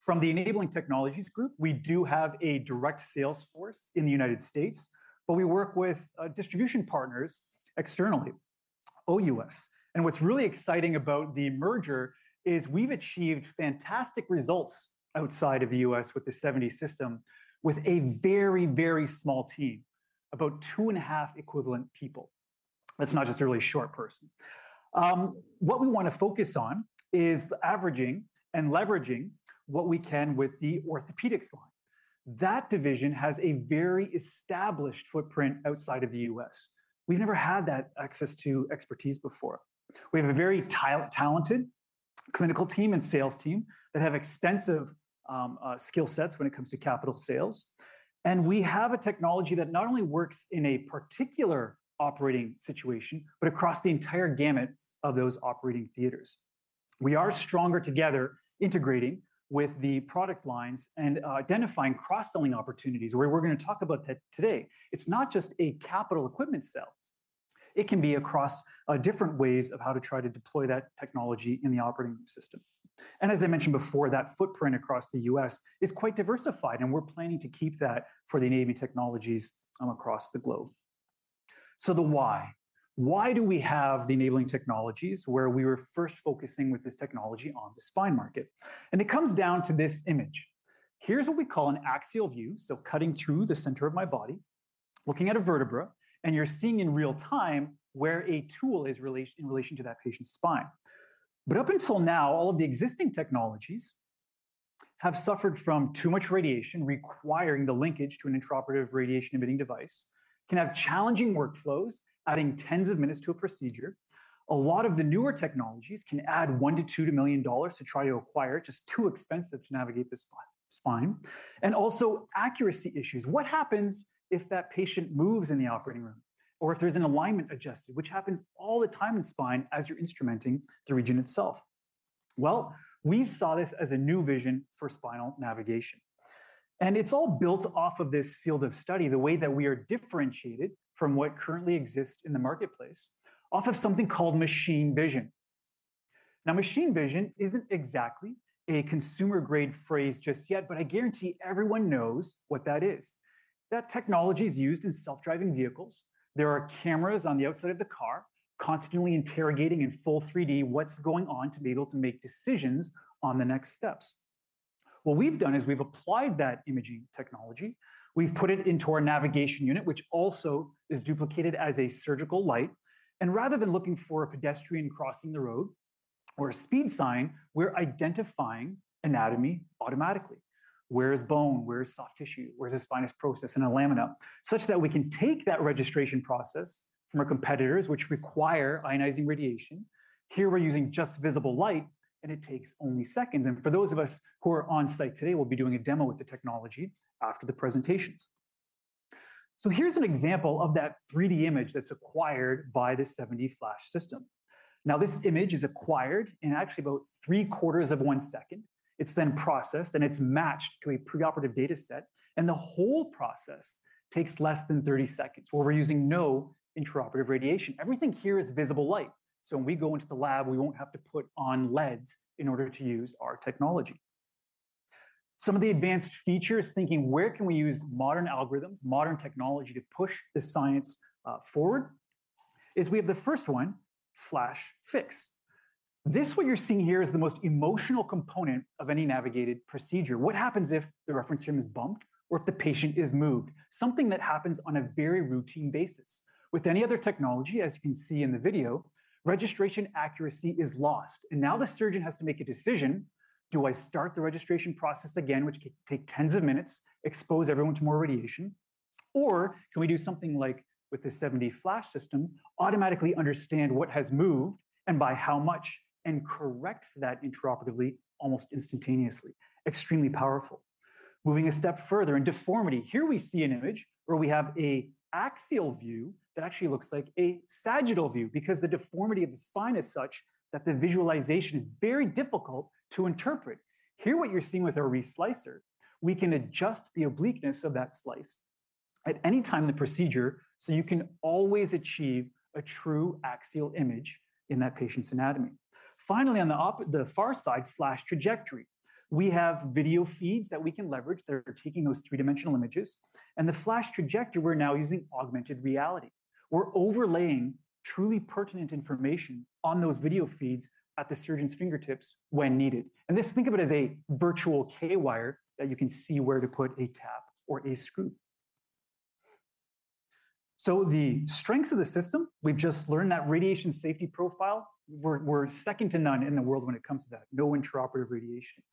from the Enabling Technologies Group, we do have a direct sales force in the United States, but we work with distribution partners externally, OUS. What's really exciting about the merger is we've achieved fantastic results outside of the U.S. with the 7D system with a very, very small team, about 2.5 equivalent people. That's not just a really short person. What we wanna focus on is averaging and leveraging what we can with the orthopedics line. That division has a very established footprint outside of the U.S. We've never had that access to expertise before. We have a very talented clinical team and sales team that have extensive skill sets when it comes to capital sales. We have a technology that not only works in a particular operating situation, but across the entire gamut of those operating theaters. We are stronger together integrating with the product lines and identifying cross-selling opportunities where we're gonna talk about that today. It's not just a capital equipment sale. It can be across different ways of how to try to deploy that technology in the operating system. As I mentioned before, that footprint across the U.S. is quite diversified, and we're planning to keep that for the Enabling Technologies across the globe. The why. Why do we have the Enabling Technologies where we were first focusing with this technology on the spine market? It comes down to this image. Here's what we call an axial view, cutting through the center of my body, looking at a vertebra, and you're seeing in real-time where a tool is in relation to that patient's spine. Up until now, all of the existing technologies have suffered from too much radiation, requiring the linkage to an intraoperative radiation-emitting device. Can have challenging workflows, adding tens of minutes to a procedure. A lot of the newer technologies can add $1 to $2 million to try to acquire. Just too expensive to navigate the spine. Also, accuracy issues. What happens if that patient moves in the operating room? If there's an alignment adjusted, which happens all the time in spine as you're instrumenting the region itself. Well, we saw this as a new vision for spinal navigation. It's all built off of this field of study, the way that we are differentiated from what currently exists in the marketplace, off of something called machine vision. Machine vision isn't exactly a consumer-grade phrase just yet, but I guarantee everyone knows what that is. That technology is used in self-driving vehicles. There are cameras on the outside of the car constantly interrogating in full 3D what's going on to be able to make decisions on the next steps. What we've done is we've applied that imaging technology. We've put it into our navigation unit, which also is duplicated as a surgical light. Rather than looking for a pedestrian crossing the road or a speed sign, we're identifying anatomy automatically. Where is bone? Where is soft tissue? Where is the spinous process and a lamina? Such that we can take that registration process from our competitors, which require ionizing radiation. Here we're using just visible light, it takes only seconds. For those of us who are on-site today, we'll be doing a demo with the technology after the presentations. Here's an example of that 3D image that's acquired by the 7D FLASH system. This image is acquired in actually about three-quarters of 1 second. It's then processed, it's matched to a preoperative dataset. The whole process takes less than 30 seconds, where we're using no intraoperative radiation. Everything here is visible light. When we go into the lab, we won't have to put on leads in order to use our technology. Some of the advanced features, thinking where we can use modern algorithms, modern technology to push the science, forward, is we have the first one, FLASH Fix. This, what you're seeing here, is the most emotional component of any navigated procedure. What happens if the reference frame is bumped or if the patient is moved? Something that happens on a very routine basis. With any other technology, as you can see in the video, registration accuracy is lost. Now the surgeon has to make a decision. Do I start the registration process again, which can take tens of minutes, expose everyone to more radiation? Can we do something like with the 7D FLASH system, automatically understand what has moved and by how much, and correct for that intraoperatively, almost instantaneously. Extremely powerful. Moving a step further in deformity. Here we see an image where we have a axial view that actually looks like a sagittal view because the deformity of the spine is such that the visualization is very difficult to interpret. Here, what you're seeing with our reslicer, we can adjust the obliqueness of that slice at any time in the procedure, so you can always achieve a true axial image in that patient's anatomy. Finally, on the far side, FLASH Trajectory. We have video feeds that we can leverage that are taking those three-dimensional images. The FLASH Trajectory, we're now using augmented reality. We're overlaying truly pertinent information on those video feeds at the surgeon's fingertips when needed. This, think of it as a virtual K wire that you can see where to put a tap or a screw. The strengths of the system, we've just learned that radiation safety profile we're second to none in the world when it comes to that. No intraoperative radiation.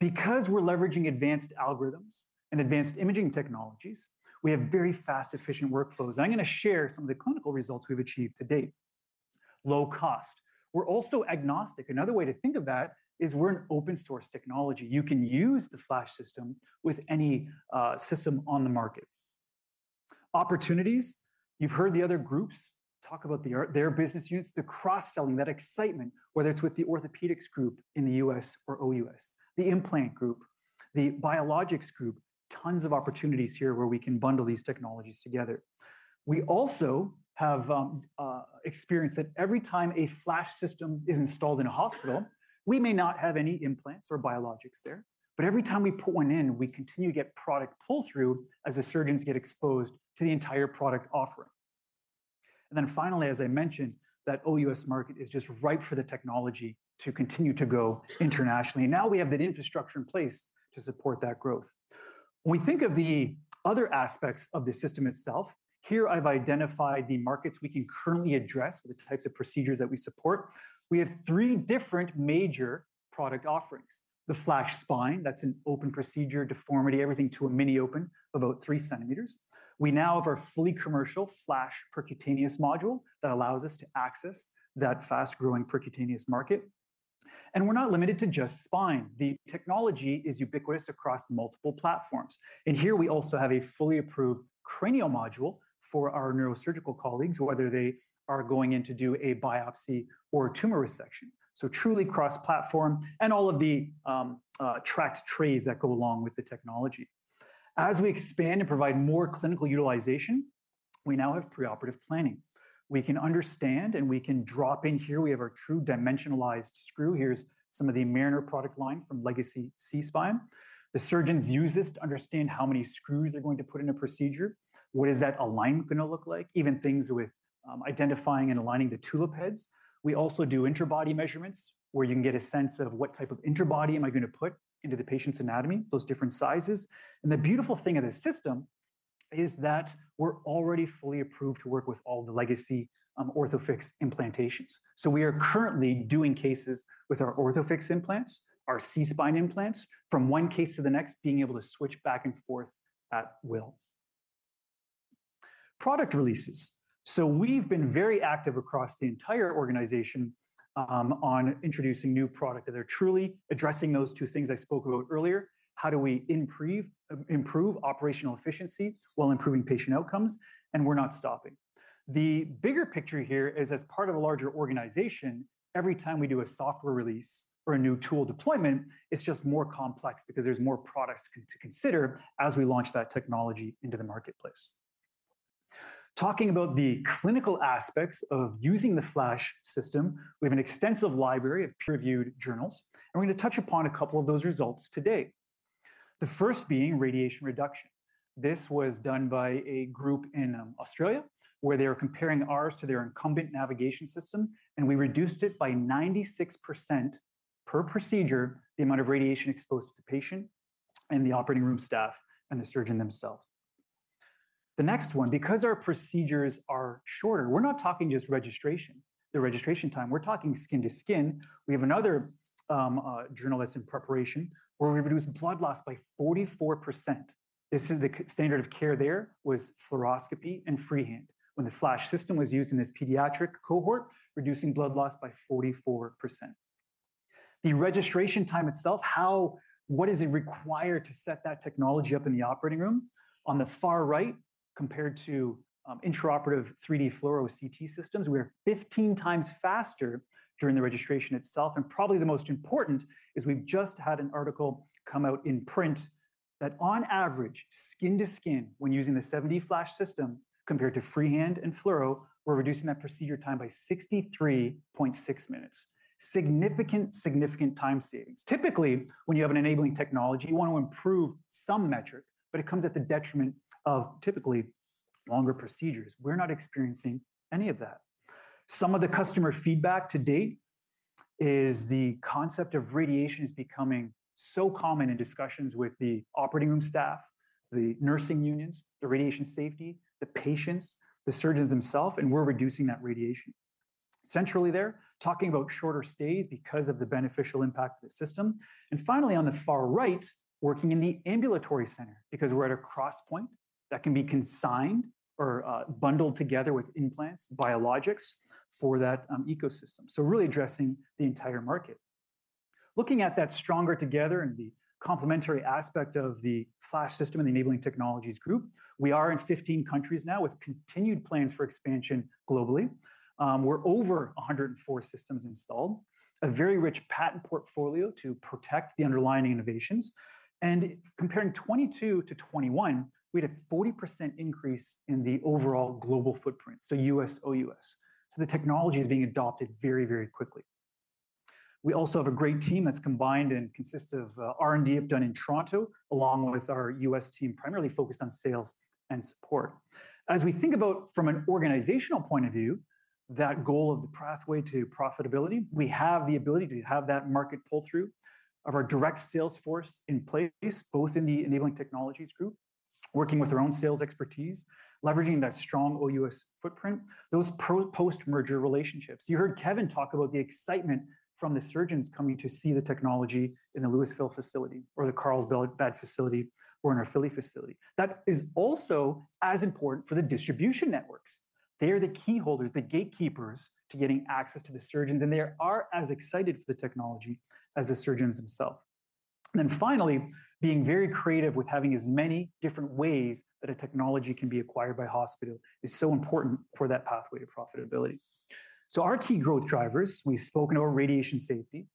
We're leveraging advanced algorithms and advanced imaging technologies, we have very fast, efficient workflows. I'm gonna share some of the clinical results we've achieved to date. Low cost. We're also agnostic. Another way to think of that is we're an open-source technology. You can use the FLASH system with any system on the market. Opportunities. You've heard the other groups talk about their business units, the cross-selling, that excitement, whether it's with the orthopedics group in the U.S. or OUS, the implant group, the biologics group. Tons of opportunities here where we can bundle these technologies together. We also have experience that every time a FLASH system is installed in a hospital, we may not have any implants or biologics there, but every time we put one in, we continue to get product pull-through as the surgeons get exposed to the entire product offering. Finally, as I mentioned, that OUS market is just ripe for the technology to continue to go internationally. We have that infrastructure in place to support that growth. When we think of the other aspects of the system itself, here I've identified the markets we can currently address with the types of procedures that we support. We have three different major product offerings. The FLASH Spine, that's an open procedure, deformity, everything to a mini open, about three centimeters. We have our fully commercial FLASH Percutaneous module that allows us to access that fast-growing percutaneous market. We're not limited to just spine. The technology is ubiquitous across multiple platforms. Here we also have a fully approved cranial module for our neurosurgical colleagues, whether they are going in to do a biopsy or a tumor resection. Truly cross-platform and all of the tracked trays that go along with the technology. As we expand and provide more clinical utilization, we now have preoperative planning. We can understand, and we can drop in here. We have our true dimensionalized screw. Here's some of the Mariner product line from Legacy SeaSpine. The surgeons use this to understand how many screws they're going to put in a procedure. What is that alignment gonna look like? Even things with identifying and aligning the tulip heads. We also do interbody measurements, where you can get a sense of what type of interbody am I gonna put into the patient's anatomy, those different sizes. The beautiful thing of this system is that we're already fully approved to work with all the legacy Orthofix implantations. We are currently doing cases with our Orthofix implants, our SeaSpine implants from one case to the next, being able to switch back and forth at will. Product releases. We've been very active across the entire organization on introducing new product. They're truly addressing those two things I spoke about earlier. How do we improve operational efficiency while improving patient outcomes? We're not stopping. The bigger picture here is as part of a larger organization, every time we do a software release or a new tool deployment, it's just more complex because there's more products to consider as we launch that technology into the marketplace. Talking about the clinical aspects of using the FLASH system, we have an extensive library of peer-reviewed journals, and we're gonna touch upon a couple of those results today. The first being radiation reduction. This was done by a group in Australia, where they were comparing ours to their incumbent navigation system, and we reduced it by 96% per procedure the amount of radiation exposed to the patient and the operating room staff and the surgeon themselves. The next one, because our procedures are shorter, we're not talking just registration, the registration time, we're talking skin to skin. We have another journal that's in preparation where we reduce blood loss by 44%. This is the standard of care there was fluoroscopy and freehand. When the FLASH system was used in this pediatric cohort, reducing blood loss by 44%. The registration time itself, what is it required to set that technology up in the operating room? On the far right, compared to intraoperative 3D fluoro CT systems, we are 15 times faster during the registration itself. Probably the most important is we've just had an article come out in print that on average, skin to skin when using the 7D FLASH system compared to freehand and fluoro, we're reducing that procedure time by 63.6 minutes. Significant time savings. Typically, when you have an enabling technology, you want to improve some metric, but it comes at the detriment of typically longer procedures. We're not experiencing any of that. Some of the customer feedback to date is the concept of radiation is becoming so common in discussions with the operating room staff, the nursing unions, the radiation safety, the patients, the surgeons themselves, and we're reducing that radiation. Centrally there, talking about shorter stays because of the beneficial impact of the system. Finally, on the far right, working in the ambulatory center because we're at a cross point that can be consigned or bundled together with implants, biologics for that ecosystem. Really addressing the entire market. Looking at that stronger together and the complementary aspect of the FLASH system and the Enabling Technologies Group, we are in 15 countries now with continued plans for expansion globally. We're over 104 systems installed, a very rich patent portfolio to protect the underlying innovations. Comparing 2022 to 2021, we had a 40% increase in the overall global footprint, so U.S., OUS. The technology is being adopted very, very quickly. We also have a great team that's combined and consists of R&D done in Toronto, along with our U.S. team, primarily focused on sales and support. As we think about from an organizational point of view, that goal of the pathway to profitability, we have the ability to have that market pull-through of our direct sales force in place, both in the Enabling Technologies Group, working with our own sales expertise, leveraging that strong OUS footprint, those post-merger relationships. You heard Kevin talk about the excitement from the surgeons coming to see the technology in the Lewisville facility or the Carlsbad facility or in our Philly facility. That is also as important for the distribution networks. They are the key holders, the gatekeepers to getting access to the surgeons, and they are as excited for the technology as the surgeons themselves. Finally, being very creative with having as many different ways that a technology can be acquired by a hospital is so important for that pathway to profitability. Our key growth drivers, we've spoken about radiation safety.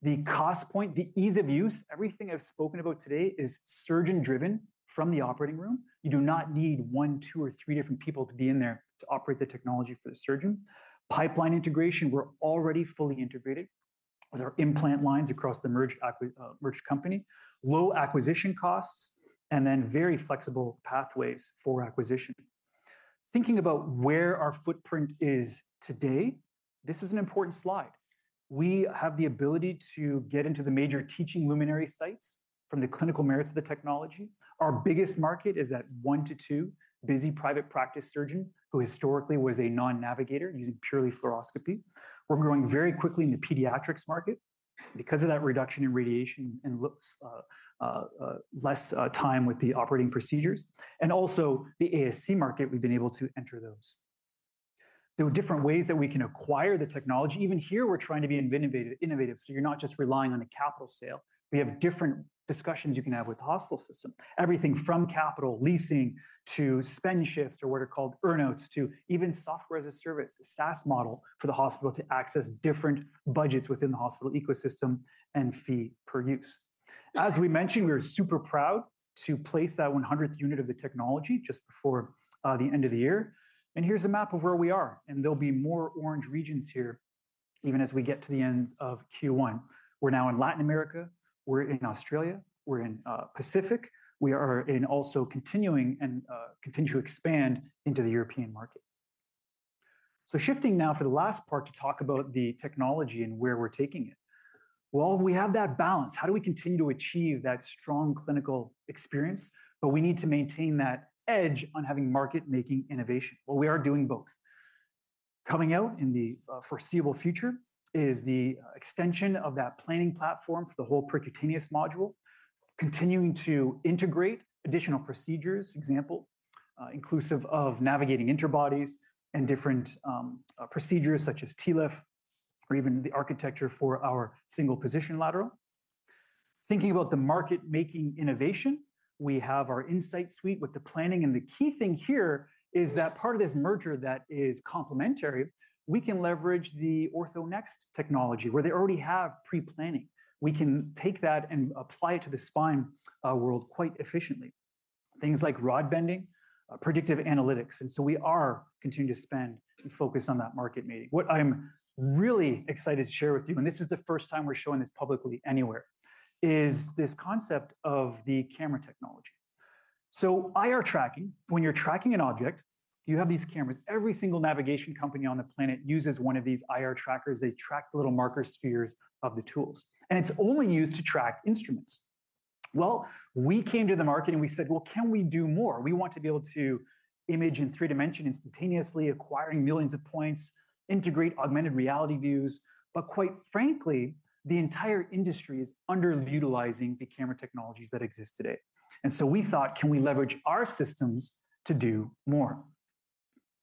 The cost point, the ease of use, everything I've spoken about today is surgeon-driven from the operating room. You do not need one, two, or three different people to be in there to operate the technology for the surgeon. Pipeline integration, we're already fully integrated with our implant lines across the merged company. Low acquisition costs and then very flexible pathways for acquisition. Thinking about where our footprint is today, this is an important slide. We have the ability to get into the major teaching luminary sites from the clinical merits of the technology. Our biggest market is at one to two busy private practice surgeon who historically was a non-navigator using purely fluoroscopy. We're growing very quickly in the pediatrics market because of that reduction in radiation and looks less time with the operating procedures. Also, the ASC market, we've been able to enter those. There were different ways that we can acquire the technology. Even here, we're trying to be innovative, so you're not just relying on a capital sale. We have different discussions you can have with the hospital system. Everything from capital leasing to spend shifts or what are called earn-outs to even software as a service, a SaaS model for the hospital to access different budgets within the hospital ecosystem and fee per use. As we mentioned, we're super proud to place that one-hundredth unit of the technology just before the end of the year. Here's a map of where we are. There'll be more orange regions here even as we get to the end of Q1. We're now in Latin America. We're in Australia. We're in Pacific. We are in also continuing and continue to expand into the European market. Shifting now for the last part to talk about the technology and where we're taking it. Well, we have that balance. How do we continue to achieve that strong clinical experience? We need to maintain that edge on having market-making innovation. We are doing both. Coming out in the foreseeable future is the extension of that planning platform for the whole percutaneous module, continuing to integrate additional procedures, example, inclusive of navigating interbodies and different procedures such as TLIF or even the architecture for our single position lateral. Thinking about the market-making innovation, we have our insight suite with the planning, and the key thing here is that part of this merger that is complementary, we can leverage the OrthoNext technology, where they already have pre-planning. We can take that and apply it to the spine world quite efficiently. Things like rod bending, predictive analytics, we are continuing to spend and focus on that market making. What I'm really excited to share with you, and this is the first time we're showing this publicly anywhere, is this concept of the camera technology. IR tracking, when you're tracking an object, you have these cameras. Every single navigation company on the planet uses one of these IR trackers. They track the little marker spheres of the tools. It's only used to track instruments. Well, we came to the market and we said, "Well, can we do more?" We want to be able to image in three-dimension instantaneously, acquiring millions of points, integrate augmented reality views. Quite frankly, the entire industry is underutilizing the camera technologies that exist today. We thought, can we leverage our systems to do more?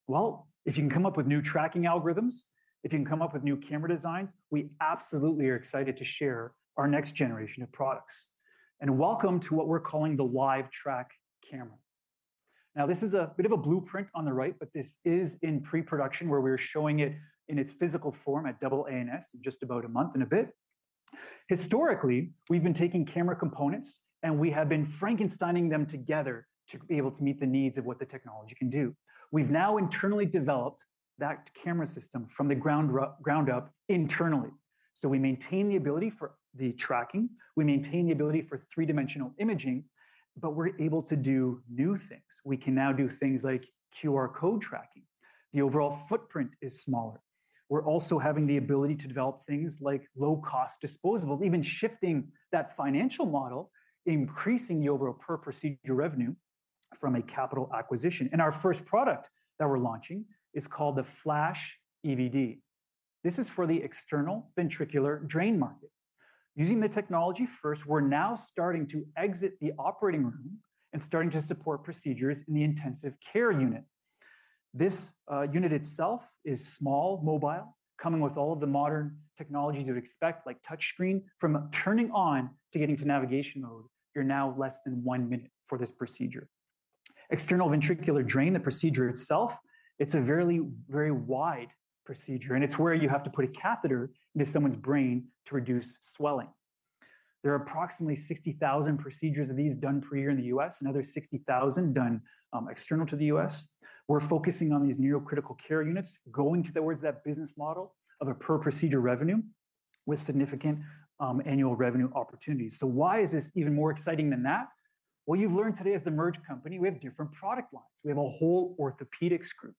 Well, if you can come up with new tracking algorithms, if you can come up with new camera designs, we absolutely are excited to share our next generation of products. Welcome to what we're calling the LiveTrack camera. This is a bit of a blueprint on the right, but this is in pre-production, where we're showing it in its physical form at AANS in just about a month and a bit. Historically, we've been taking camera components, we have been Frankenstein-ing them together to be able to meet the needs of what the technology can do. We've now internally developed that camera system from the ground up internally. We maintain the ability for the tracking, we maintain the ability for three-dimensional imaging, but we're able to do new things. We can now do things like QR code tracking. The overall footprint is smaller. We're also having the ability to develop things like low-cost disposables, even shifting that financial model, increasing the overall per-procedure revenue from a capital acquisition. Our first product that we're launching is called the FLASH EVD. This is for the external ventricular drain market. Using the technology first, we're now starting to exit the operating room and starting to support procedures in the intensive care unit. This unit itself is small, mobile, coming with all of the modern technologies you'd expect, like touch screen. From turning on to getting to navigation mode, you're now less than 1 minute for this procedure. External ventricular drain, the procedure itself, it's a verily, very wide procedure, it's where you have to put a catheter into someone's brain to reduce swelling. There are approximately 60,000 procedures of these done per year in the U.S., another 60,000 done external to the U.S. We're focusing on these neurocritical care units, going towards that business model of a per-procedure revenue with significant annual revenue opportunities. Why is this even more exciting than that? What you've learned today is the merged company, we have different product lines. We have a whole orthopedics group.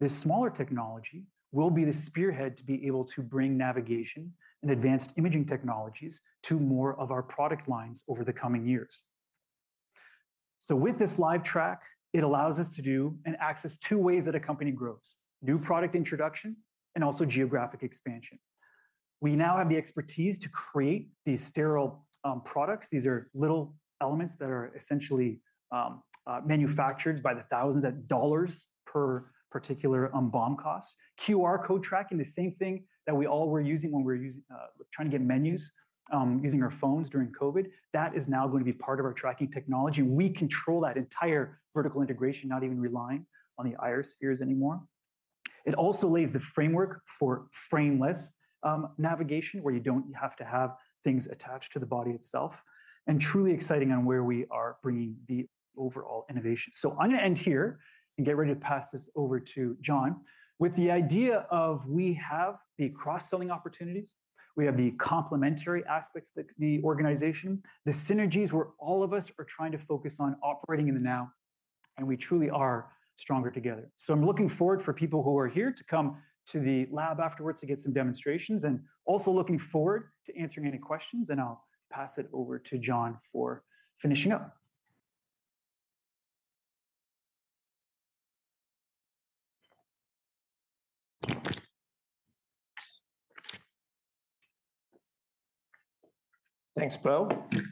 This smaller technology will be the spearhead to be able to bring navigation and advanced imaging technologies to more of our product lines over the coming years. With this LiveTrack, it allows us to do and access two ways that a company grows, new product introduction and also geographic expansion. We now have the expertise to create these sterile products. These are little elements that are essentially manufactured by the thousands at dollars per particular BOM cost. QR code tracking, the same thing that we all were using when we were trying to get menus using our phones during COVID, that is now going to be part of our tracking technology. We control that entire vertical integration, not even relying on the IR spheres anymore. It also lays the framework for frameless navigation, where you don't have to have things attached to the body itself, and truly exciting on where we are bringing the overall innovation. I'm gonna end here and get ready to pass this over to John. With the idea of we have the cross-selling opportunities, we have the complementary aspects that the organization, the synergies where all of us are trying to focus on operating in the now, and we truly are stronger together. I'm looking forward for people who are here to come to the lab afterwards to get some demonstrations, and also looking forward to answering any questions, and I'll pass it over to John for finishing up. Thanks, Beau. It's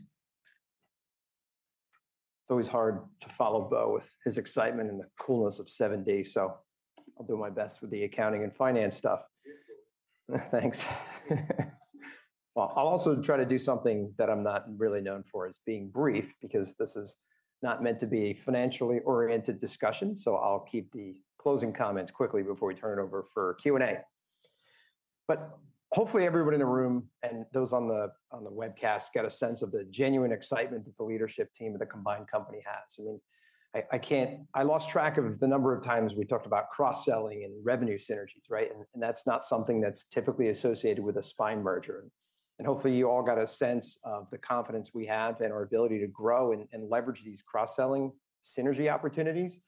always hard to follow Beau with his excitement and the coolness of 7D, so I'll do my best with the accounting and finance stuff. You're cool. Thanks. I'll also try to do something that I'm not really known for, is being brief, because this is not meant to be a financially-oriented discussion, so I'll keep the closing comments quickly before we turn it over for Q&A. Hopefully, everyone in the room and those on the webcast get a sense of the genuine excitement that the leadership team of the combined company has. I mean, I lost track of the number of times we talked about cross-selling and revenue synergies, right? That's not something that's typically associated with a spine merger. Hopefully you all got a sense of the confidence we have in our ability to grow and leverage these cross-selling synergy opportunities,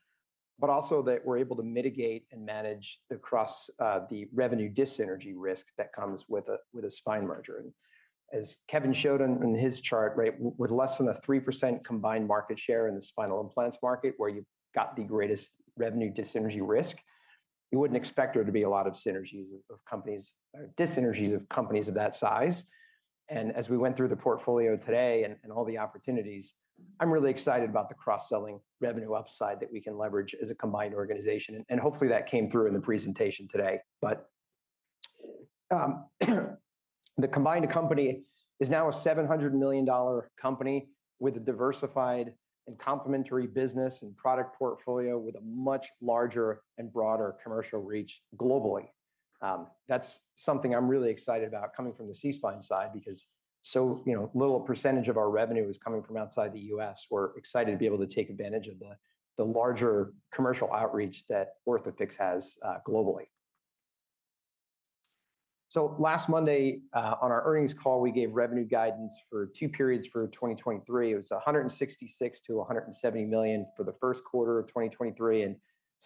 but also that we're able to mitigate and manage the revenue dis-synergy risk that comes with a spine merger. As Kevin showed on his chart, right, with less than a 3% combined market share in the spinal implants market where you've got the greatest revenue dis-synergy risk, you wouldn't expect there to be a lot of synergies of companies or dis-synergies of companies of that size. As we went through the portfolio today and all the opportunities, I'm really excited about the cross-selling revenue upside that we can leverage as a combined organization, and hopefully that came through in the presentation today. The combined company is now a $700 million company with a diversified and complementary business and product portfolio with a much larger and broader commercial reach globally. That's something I'm really excited about coming from the SeaSpine side because so, you know, little percentage of our revenue is coming from outside the U.S. We're excited to be able to take advantage of the larger commercial outreach that Orthofix has globally. Last Monday, on our earnings call, we gave revenue guidance for two periods for 2023. It was $166 million-$170 million for the first quarter of 2023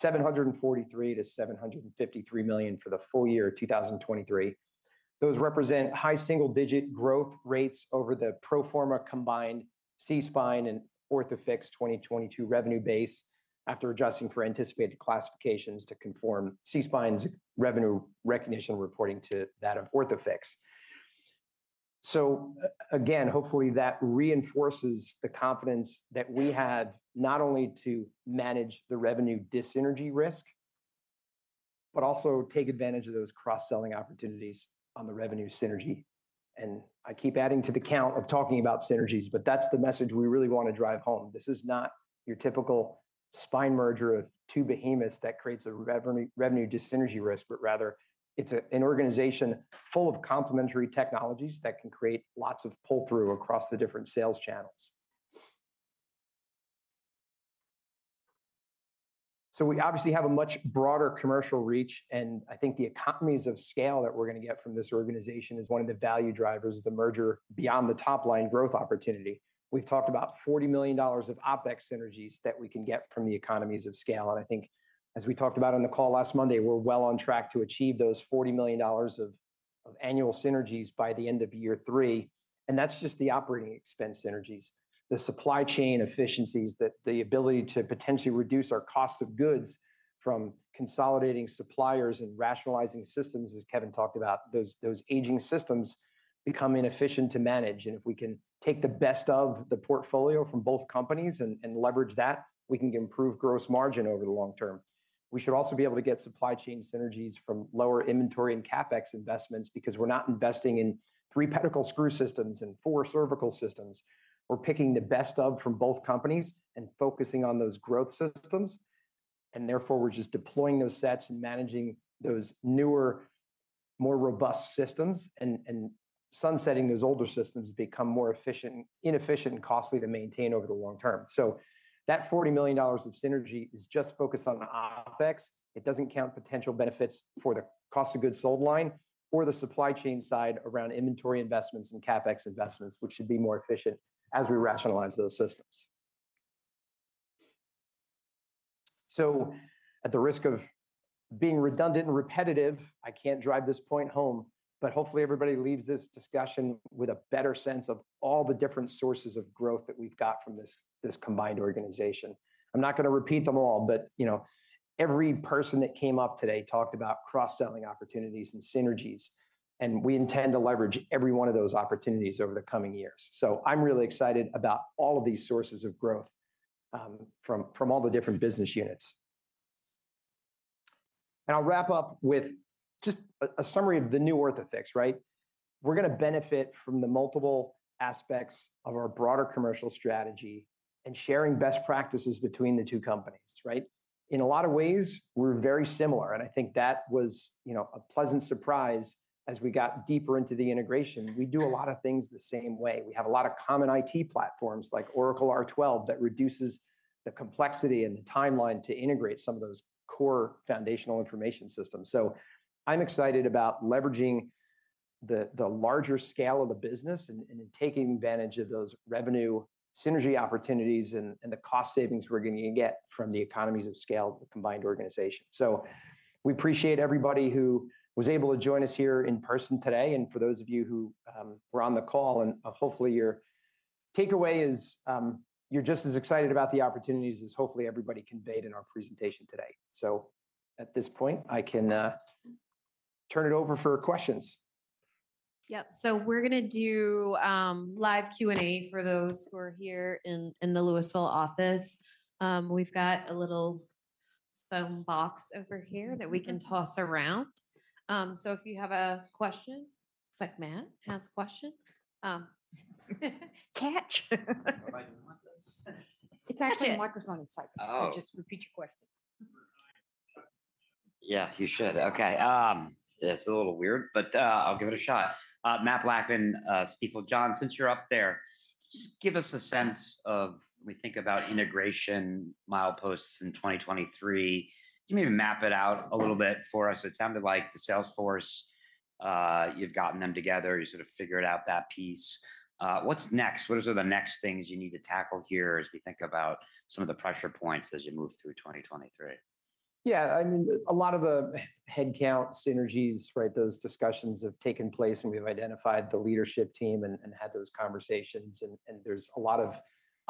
and $743 million-$753 million for the full year 2023. Those represent high single-digit growth rates over the pro forma combined SeaSpine and Orthofix 2022 revenue base after adjusting for anticipated classifications to conform SeaSpine's revenue recognition reporting to that of Orthofix. Again, hopefully that reinforces the confidence that we have not only to manage the revenue dis-synergy risk, but also take advantage of those cross-selling opportunities on the revenue synergy. I keep adding to the count of talking about synergies, but that's the message we really wanna drive home. This is not your typical spine merger of two behemoths that creates a revenue dis-synergy risk, but rather it's an organization full of complementary technologies that can create lots of pull-through across the different sales channels. We obviously have a much broader commercial reach, and I think the economies of scale that we're gonna get from this organization is one of the value drivers of the merger beyond the top line growth opportunity. We've talked about $40 million of OpEx synergies that we can get from the economies of scale. I think as we talked about on the call last Monday, we're well on track to achieve those $40 million of annual synergies by the end of year three. That's just the operating expense synergies. The supply chain efficiencies that the ability to potentially reduce our cost of goods from consolidating suppliers and rationalizing systems, as Kevin talked about, those aging systems become inefficient to manage. If we can take the best of the portfolio from both companies and leverage that, we can improve gross margin over the long term. We should also be able to get supply chain synergies from lower inventory and CapEx investments because we're not investing in three pedicle screw systems and four cervical systems. We're picking the best of from both companies and focusing on those growth systems, therefore we're just deploying those sets and managing those newer, more robust systems and sunsetting those older systems become more inefficient and costly to maintain over the long term. That $40 million of synergy is just focused on OpEx. It doesn't count potential benefits for the cost of goods sold line or the supply chain side around inventory investments and CapEx investments, which should be more efficient as we rationalize those systems. At the risk of being redundant and repetitive, I can't drive this point home, hopefully everybody leaves this discussion with a better sense of all the different sources of growth that we've got from this combined organization. I'm not gonna repeat them all, but, you know, every person that came up today talked about cross-selling opportunities and synergies, and we intend to leverage every one of those opportunities over the coming years. I'm really excited about all of these sources of growth from all the different business units. I'll wrap up with just a summary of the new Orthofix, right? We're gonna benefit from the multiple aspects of our broader commercial strategy and sharing best practices between the two companies, right? In a lot of ways, we're very similar, and I think that was, you know, a pleasant surprise as we got deeper into the integration. We do a lot of things the same way. We have a lot of common IT platforms like Oracle R12 that reduces the complexity and the timeline to integrate some of those core foundational information systems. I'm excited about leveraging the larger scale of the business and taking advantage of those revenue synergy opportunities and the cost savings we're gonna get from the economies of scale of the combined organization. We appreciate everybody who was able to join us here in person today, and for those of you who were on the call and hopefully your takeaway is you're just as excited about the opportunities as hopefully everybody conveyed in our presentation today. At this point, I can turn it over for questions. Yeah. We're gonna do live Q&A for those who are here in the Lewisville office. We've got a little phone box over here that we can toss around. If you have a question. Looks like Matt has a question. Catch. Providing you want this. It's actually a microphone inside there. Oh. Just repeat your question? Yeah, you should. Okay. It's a little weird, but I'll give it a shot. Matthew Blackman, Stifel. John, since you're up there, just give us a sense of when we think about integration mileposts in 2023. Can you maybe map it out a little bit for us? It sounded like the Salesforce. You've gotten them together, you sort of figured out that piece. What's next? What are sort of the next things you need to tackle here as we think about some of the pressure points as you move through 2023? I mean, a lot of the headcount synergies, right? Those discussions have taken place, and we've identified the leadership team and had those conversations. There's a lot of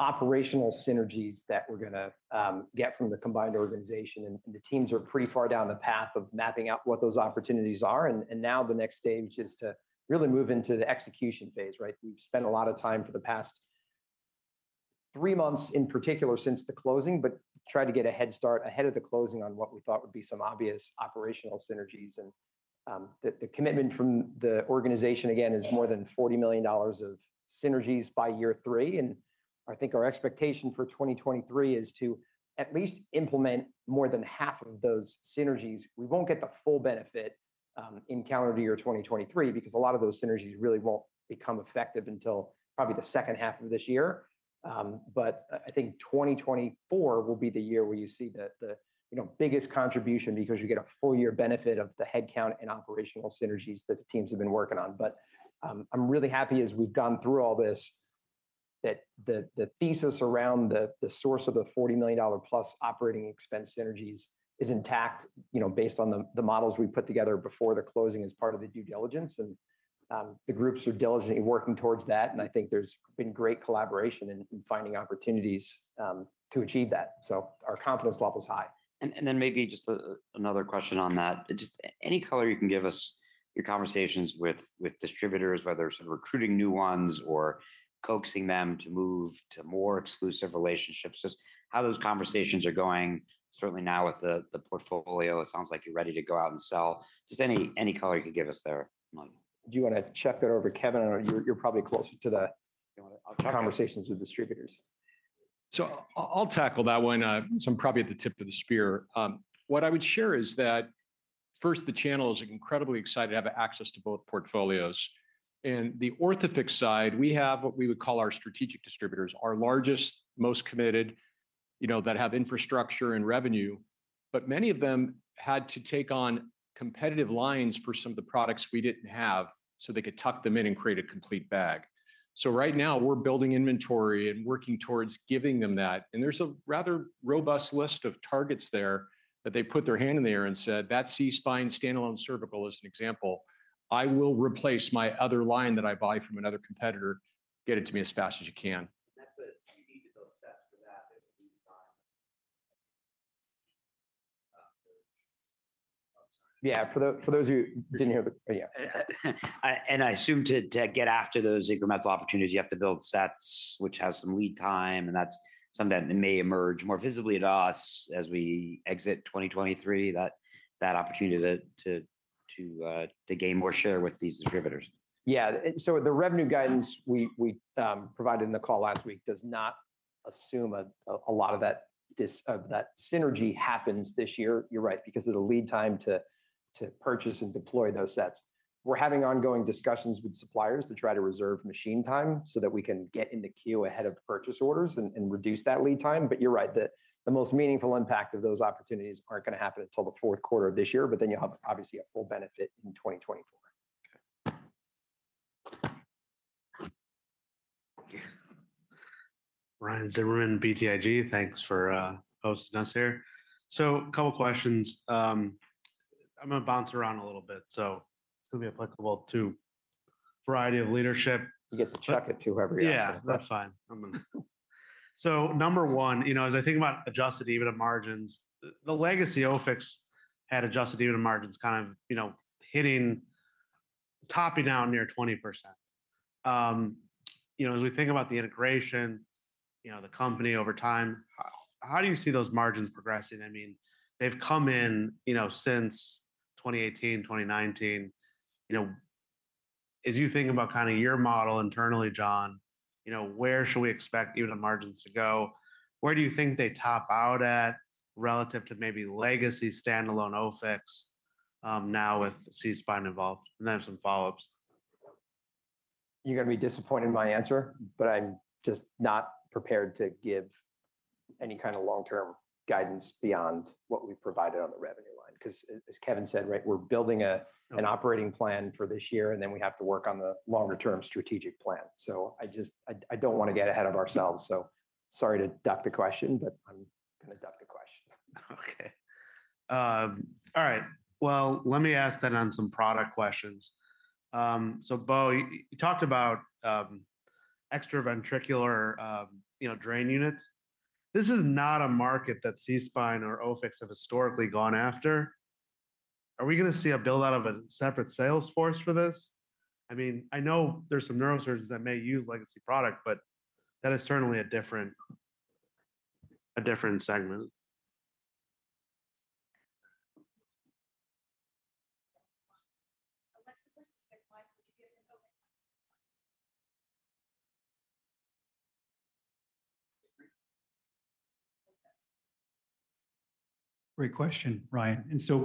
operational synergies that we're gonna get from the combined organization. The teams are pretty far down the path of mapping out what those opportunities are. Now the next stage is to really move into the execution phase, right. We've spent a lot of time for the past three months, in particular since the closing, but tried to get a head start ahead of the closing on what we thought would be some obvious operational synergies. The commitment from the organization, again, is more than $40 million of synergies by year three. I think our expectation for 2023 is to at least implement more than half of those synergies. We won't get the full benefit in calendar year 2023 because a lot of those synergies really won't become effective until probably the second half of this year. I think 2024 will be the year where you see the biggest contribution because you get a full year benefit of the headcount and operational synergies that the teams have been working on. I'm really happy as we've gone through all this, that the thesis around the source of the $40 million plus OpEx synergies is intact, you know, based on the models we put together before the closing as part of the due diligence. The groups are diligently working towards that, and I think there's been great collaboration in finding opportunities, to achieve that. Our confidence level is high. Maybe just another question on that. Just any color you can give us, your conversations with distributors, whether it's recruiting new ones or coaxing them to move to more exclusive relationships, just how those conversations are going. Certainly now with the portfolio, it sounds like you're ready to go out and sell. Just any color you could give us there. Do you wanna chuck that over to Kevin? You're probably closer to. I'll try. Conversations with distributors. I'll tackle that one. I'm probably at the tip of the spear. What I would share is that first, the channel is incredibly excited to have access to both portfolios. In the Orthofix side, we have what we would call our strategic distributors, our largest, most committed, you know, that have infrastructure and revenue. Many of them had to take on competitive lines for some of the products we didn't have, so they could tuck them in and create a complete bag. Right now we're building inventory and working towards giving them that. There's a rather robust list of targets there that they put their hand in the air and said, "That SeaSpine standalone cervical," as an example, "I will replace my other line that I buy from another competitor. Get it to me as fast as you can. That's it. You need to build sets for that as we design. Yeah. For those who didn't hear the-- Yeah. I assume to get after those incremental opportunities, you have to build sets which have some lead time, and that's something that may emerge more visibly to us as we exit 2023, that opportunity to gain more share with these distributors. Yeah. The revenue guidance we provided in the call last week does not assume a lot of that synergy happens this year, you're right, because of the lead time to purchase and deploy those sets. We're having ongoing discussions with suppliers to try to reserve machine time so that we can get into queue ahead of purchase orders and reduce that lead time. You're right, the most meaningful impact of those opportunities aren't gonna happen until the fourth quarter of this year, you'll have obviously a full benefit in 2024. Okay. Thanks for hosting us here. A couple questions. I'm gonna bounce around a little bit, so it's gonna be applicable to variety of leadership. You get to chuck it to whoever you want. Yeah. That's fine. Number one, you know, as I think about adjusted EBITDA margins, the legacy Orthofix had adjusted EBITDA margins kind of, you know, hitting, topping out near 20%. You know, as we think about the integration, you know, the company over time, how do you see those margins progressing? I mean, they've come in, you know, since 2018, 2019. You know, as you think about kinda your model internally, John, you know, where should we expect EBITDA margins to go? Where do you think they top out at relative to maybe legacy standalone Orthofix, now with SeaSpine involved? Then I have some follow-ups. You're gonna be disappointed in my answer, but I'm just not prepared to give any kinda long-term guidance beyond what we've provided on the revenue line. As Kevin said, right, we're building an operating plan for this year, then we have to work on the longer-term strategic plan. I don't wanna get ahead of ourselves, sorry to duck the question, I'm gonna duck the question. All right. Let me ask then on some product questions. Beau, you talked about, you know, extraventricular drain units. This is not a market that SeaSpine or OFX have historically gone after. Are we gonna see a build-out of a separate sales force for this? I mean, I know there's some neurosurgeons that may use legacy product, but that is certainly a different segment. Alexa, where's the spare mic? Could you get it? Okay. Great question,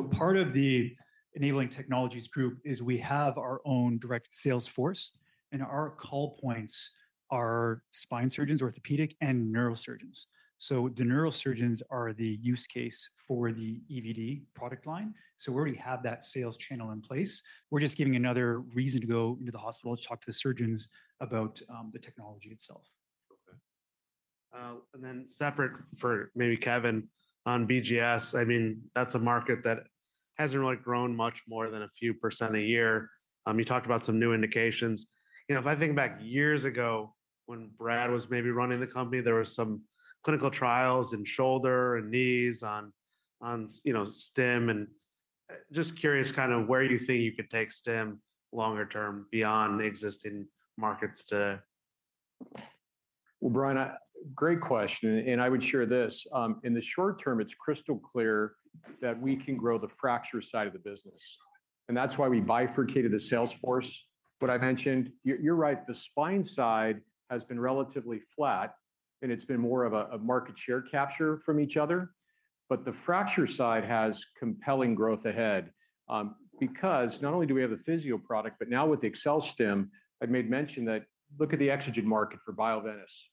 Ryan. Part of the Enabling Technologies group is we have our own direct sales force, and our call points are spine surgeons, orthopedic, and neurosurgeons. The neurosurgeons are the use case for the EVD product line. We already have that sales channel in place. We're just giving another reason to go into the hospital to talk to the surgeons about the technology itself. Okay. Separate for maybe Kevin on BGS. I mean, that's a market that hasn't really grown much more than a few percent a year. You talked about some new indications. You know, if I think back years ago when Brad was maybe running the company, there were some clinical trials in shoulder and knees on, you know, stem and, just curious kinda where you think you could take stem longer term beyond existing markets to. Ryan, a great question, I would share this. In the short term, it's crystal clear that we can grow the fracture side of the business, that's why we bifurcated the sales force, what I mentioned. You're right, the spine side has been relatively flat, it's been more of a market share capture from each other. The fracture side has compelling growth ahead because not only do we have the Physio product, but now with the AccelStim, I've made mention that look at the EXOGEN market for Bioventus.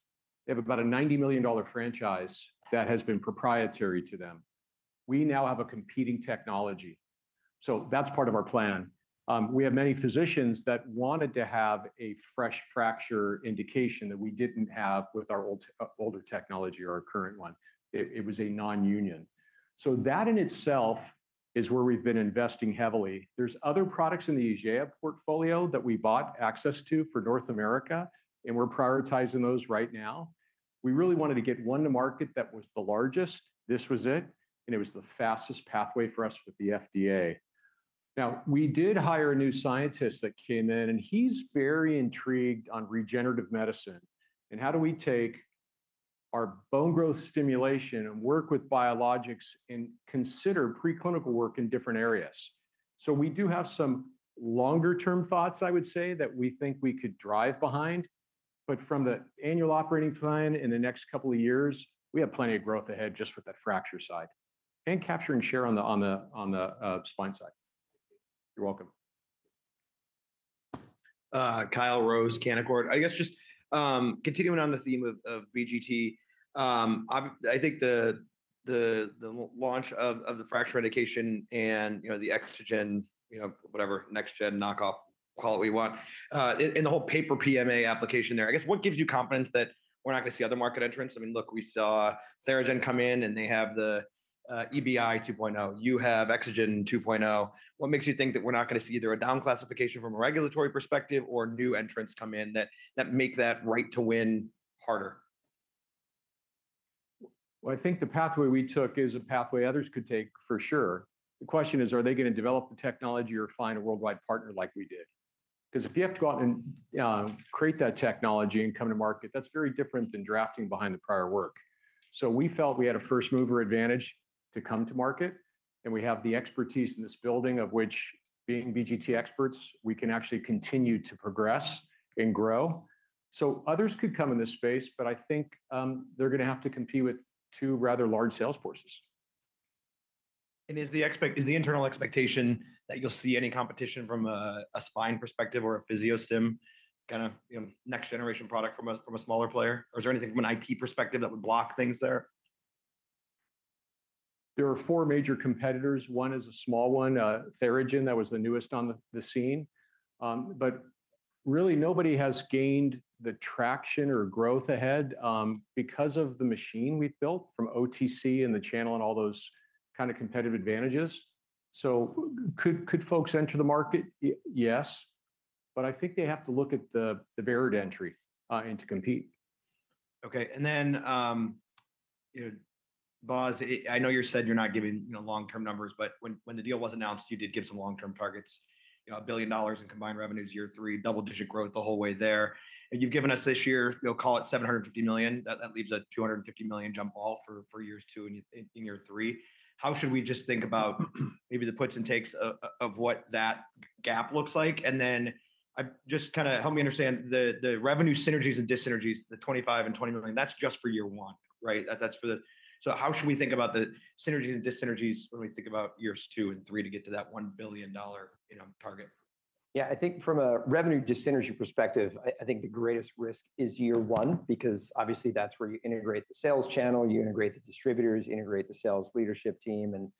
They have about a $90 million franchise that has been proprietary to them. We now have a competing technology. That's part of our plan. We have many physicians that wanted to have a fresh fracture indication that we didn't have with our older technology or our current one. It was a nonunion. That in itself is where we've been investing heavily. There's other products in the SeaSpine portfolio that we bought access to for North America, and we're prioritizing those right now. We really wanted to get one to market that was the largest, this was it, and it was the fastest pathway for us with the FDA. We did hire a new scientist that came in, and he's very intrigued on regenerative medicine, and how do we take our bone growth stimulation and work with biologics and consider preclinical work in different areas. We do have some longer-term thoughts, I would say, that we think we could drive behind, but from the annual operating plan in the next couple of years, we have plenty of growth ahead just with that fracture side and capturing share on the spine side. Thank you. You're welcome. Kyle Rose, Canaccord. I guess just, continuing on the theme of BGT. I think the launch of the fracture indication and, you know, the Exogen, you know, whatever next-gen knock-off, call it what you want, and the whole paper PMA application there. I guess what gives you confidence that we're not gonna see other market entrants? I mean, look, we saw Theragen come in, and they have the EBI 2.0. You have Exogen 2.0. What makes you think that we're not gonna see either a down classification from a regulatory perspective or new entrants come in that make that right to win harder? Well, I think the pathway we took is a pathway others could take for sure. The question is, are they gonna develop the technology or find a worldwide partner like we did? 'Cause if you have to go out and create that technology and come to market, that's very different than drafting behind the prior work. We felt we had a first-mover advantage to come to market, and we have the expertise in this building of which being BGT experts, we can actually continue to progress and grow. Others could come in this space, but I think they're gonna have to compete with two rather large sales forces. Is the internal expectation that you'll see any competition from a spine perspective or a PhysioStim kinda, you know, next generation product from a, from a smaller player? Or is there anything from an IP perspective that would block things there? There are four major competitors. One is a small one, Theragen, that was the newest on the scene. Really nobody has gained the traction or growth ahead, because of the machine we've built from OTC and the channel and all those kind of competitive advantages. Could folks enter the market? Yes. I think they have to look at the barrier to entry and to compete. Okay. You know, Boz, I know you said you're not giving, you know, long-term numbers, but when the deal was announced, you did give some long-term targets. You know, $1 billion in combined revenues year three, double-digit growth the whole way there. You've given us this year, you know, call it $750 million. That leaves a $250 million jump all for years two and in year three. How should we just think about maybe the puts and takes of what that gap looks like? Then, just kinda help me understand the revenue synergies and dyssynergies, the $25 million and $20 million. That's just for year one, right? How should we think about the synergies and dyssynergies when we think about years two and three to get to that $1 billion, you know, target? I think from a revenue dyssynergy perspective, I think the greatest risk is year one because obviously that's where you integrate the sales channel, you integrate the distributors, integrate the sales leadership team.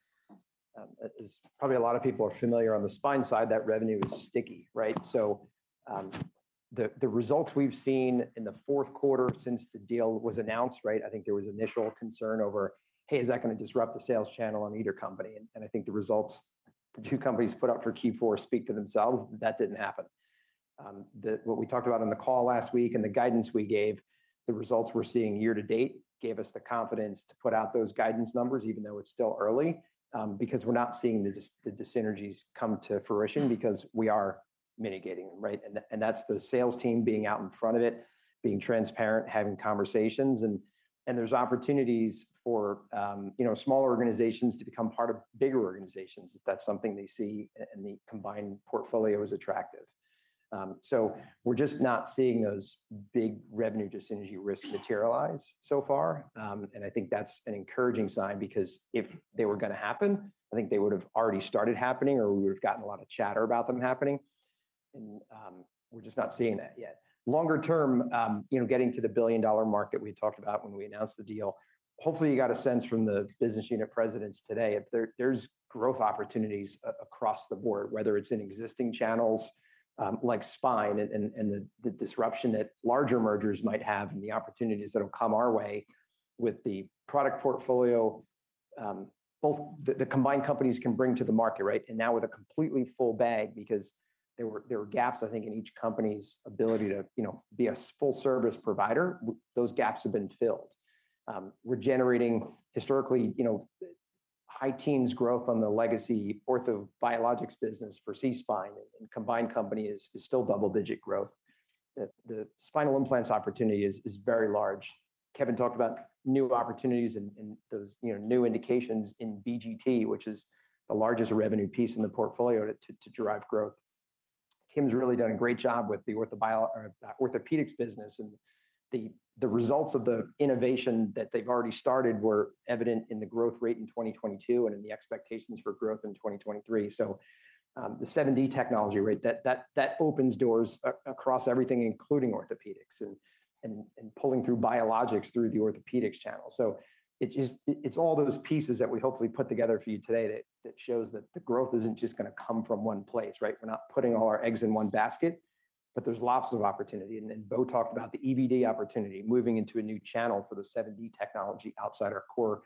As probably a lot of people are familiar on the spine side, that revenue is sticky, right? The results we've seen in the fourth quarter since the deal was announced, right? I think there was initial concern over, "Hey, is that gonna disrupt the sales channel on either company?" I think the results the two companies put up for Q4 speak to themselves. That didn't happen. What we talked about on the call last week and the guidance we gave, the results we're seeing year-to-date gave us the confidence to put out those guidance numbers, even though it's still early, because we're not seeing the dyssynergies come to fruition because we are mitigating them, right. That's the sales team being out in front of it, being transparent, having conversations. There's opportunities for, you know, smaller organizations to become part of bigger organizations if that's something they see and the combined portfolio is attractive. We're just not seeing those big revenue dyssynergy risks materialize so far. I think that's an encouraging sign because if they were gonna happen, I think they would have already started happening, or we would have gotten a lot of chatter about them happening. And we're just not seeing that yet. Longer term, you know, getting to the billion-dollar mark that we talked about when we announced the deal, hopefully you got a sense from the business unit presidents today of there's growth opportunities across the board, whether it's in existing channels, like spine and the disruption that larger mergers might have and the opportunities that'll come our way with the product portfolio, both the combined companies can bring to the market, right? Now with a completely full bag, because there were gaps, I think, in each company's ability to, you know, be a full service provider. Those gaps have been filled. We're generating historically, you know, high teens growth on the legacy ortho biologics business for C-spine and combined company is still double-digit growth. The spinal implants opportunity is very large. Kevin talked about new opportunities and those, you know, new indications in BGT, which is the largest revenue piece in the portfolio to derive growth. Kim's really done a great job with the orthopedics business and the results of the innovation that they've already started were evident in the growth rate in 2022 and in the expectations for growth in 2023. The 7D technology, right? That opens doors across everything, including orthopedics and pulling through biologics through the orthopedics channel. It's all those pieces that we hopefully put together for you today that shows that the growth isn't just gonna come from one place, right? We're not putting all our eggs in one basket, but there's lots of opportunity. Bo talked about the EVD opportunity, moving into a new channel for the 7D technology outside our core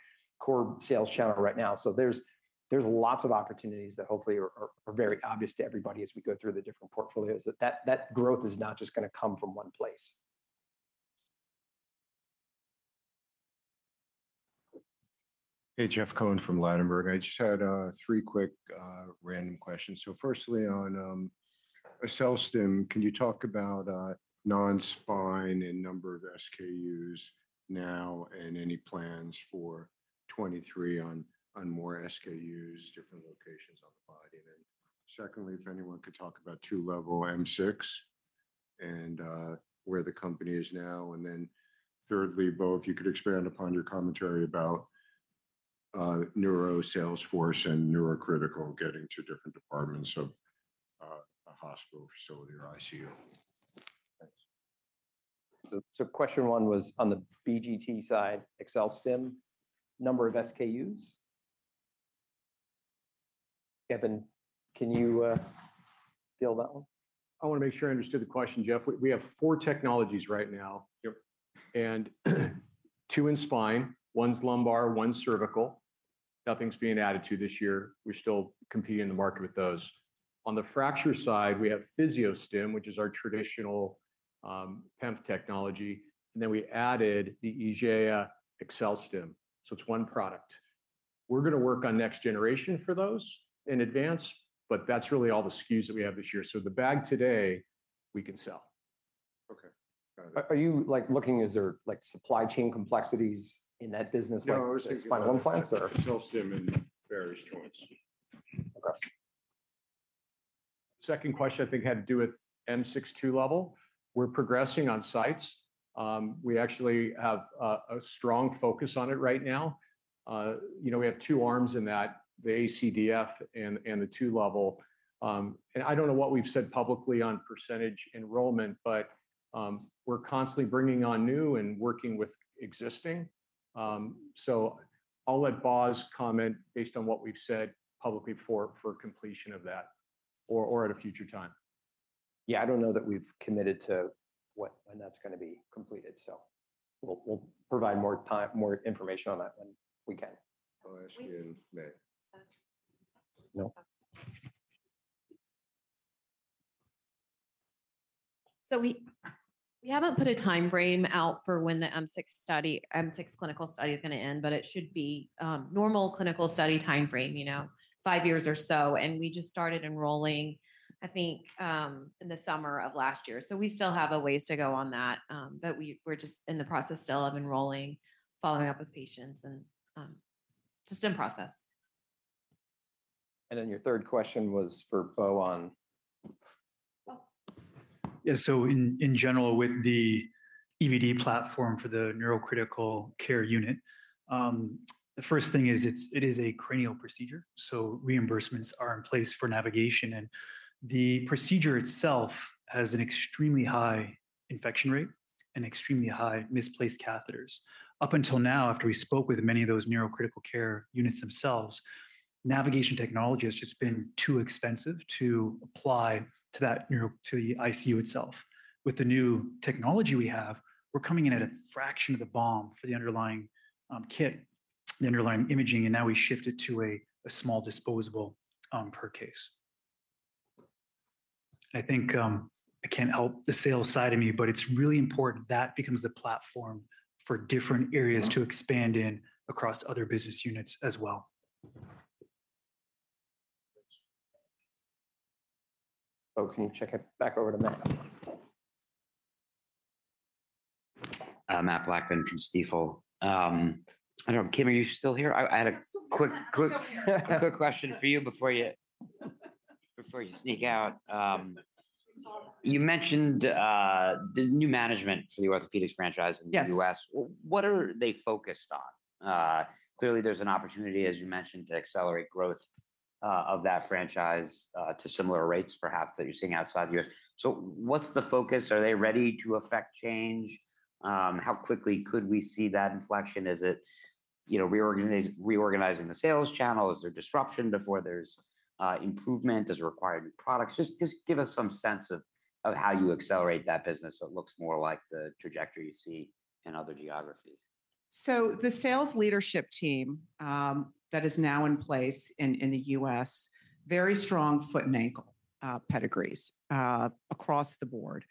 sales channel right now. There's lots of opportunities that hopefully are very obvious to everybody as we go through the different portfolios. That growth is not just gonna come from one place. Hey, Jeff Cohen from Ladenburg. I just had three quick random questions. Firstly, on AccelStim, can you talk about non-spine and number of SKUs now and any plans for 2023 on more SKUs, different locations on the body? Secondly, if anyone could talk about two-level M6 and where the company is now. Thirdly, Beau, if you could expand upon your commentary about neuro sales force and neurocritical getting to different departments of a hospital facility or ICU. Thanks. Question one was on the BGT side, AccelStim, number of SKUs. Kevin, can you field that one? I wanna make sure I understood the question, Jeff. We have four technologies right now. Yep. Two in spine, one is lumbar, one is cervical. Nothing's being added to this year. We're still competing in the market with those. On the fracture side, we have PhysioStim, which is our traditional PEMF technology, and then we added the IGEA AccelStim, so it's one product. We're gonna work on next generation for those in advance, but that's really all the SKUs that we have this year. The bag today, we can sell. Okay. Got it. Are you, like, is there, like, supply chain complexities in that business? No, I was. Like spinal implants or? AccelStim and the various joints. Okay. Second question I think had to do with M6-C two level. We're progressing on sites. We actually have a strong focus on it right now. You know, we have two arms in that, the ACDF and the two level. I don't know what we've said publicly on percentage enrollment, but we're constantly bringing on new and working with existing. I'll let Boz comment based on what we've said publicly for completion of that or at a future time. Yeah, I don't know that we've committed to when that's gonna be completed. We'll provide more information on that when we can. I'll ask you and Matt. No. We haven't put a timeframe out for when the M6 clinical study is gonna end, but it should be normal clinical study timeframe, you know, five years or so. We just started enrolling, I think, in the summer of last year. We still have a ways to go on that. We're just in the process still of enrolling, following up with patients and just in process. Your third question was for Beau. In general, with the EVD platform for the neurocritical care unit, the first thing is it is a cranial procedure, so reimbursements are in place for navigation. The procedure itself has an extremely high infection rate and extremely high misplaced catheters. Up until now, after we spoke with many of those neurocritical care units themselves, navigation technology has just been too expensive to apply to the ICU itself. With the new technology we have, we're coming in at a fraction of the BOM for the underlying kit, the underlying imaging, and now we shift it to a small disposable per case. I think, I can't help the sales side of me, but it's really important that becomes the platform for different areas to expand in across other business units as well. Bo, can you check it back over to Matt? Matthew Blackman from Stifel. Kim, are you still here? I'm still here. Quick question for you before you sneak out. You mentioned, the new management for the Orthopedics franchise in the U.S. Yes. What are they focused on? Clearly there's an opportunity, as you mentioned, to accelerate growth of that franchise to similar rates perhaps that you're seeing outside the U.S. What's the focus? Are they ready to affect change? How quickly could we see that inflection? Is it, you know, reorganizing the sales channel? Is there disruption before there's improvement? Does it require new products? Just give us some sense of how you accelerate that business so it looks more like the trajectory you see in other geographies. The sales leadership team that is now in place in the U.S., very strong foot and ankle pedigrees across the board.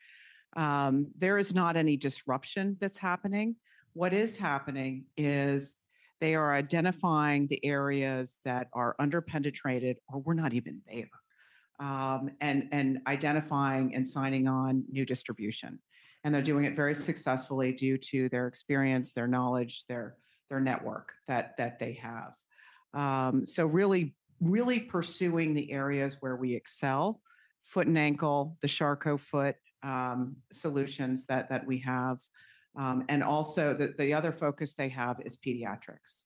There is not any disruption that's happening. What is happening is they are identifying the areas that are under-penetrated or we're not even there, and identifying and signing on new distribution. They're doing it very successfully due to their experience, their knowledge, their network that they have. Really pursuing the areas where we excel, foot and ankle, the Charcot foot solutions that we have. The other focus they have is pediatrics.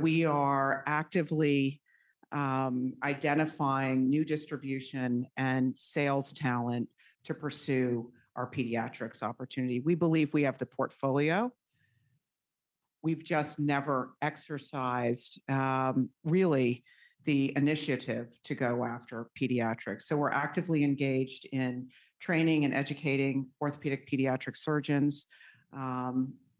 We are actively identifying new distribution and sales talent to pursue our pediatrics opportunity. We believe we have the portfolio. We've just never exercised really the initiative to go after pediatrics we're actively engaged in training and educating orthopedic pediatric surgeons,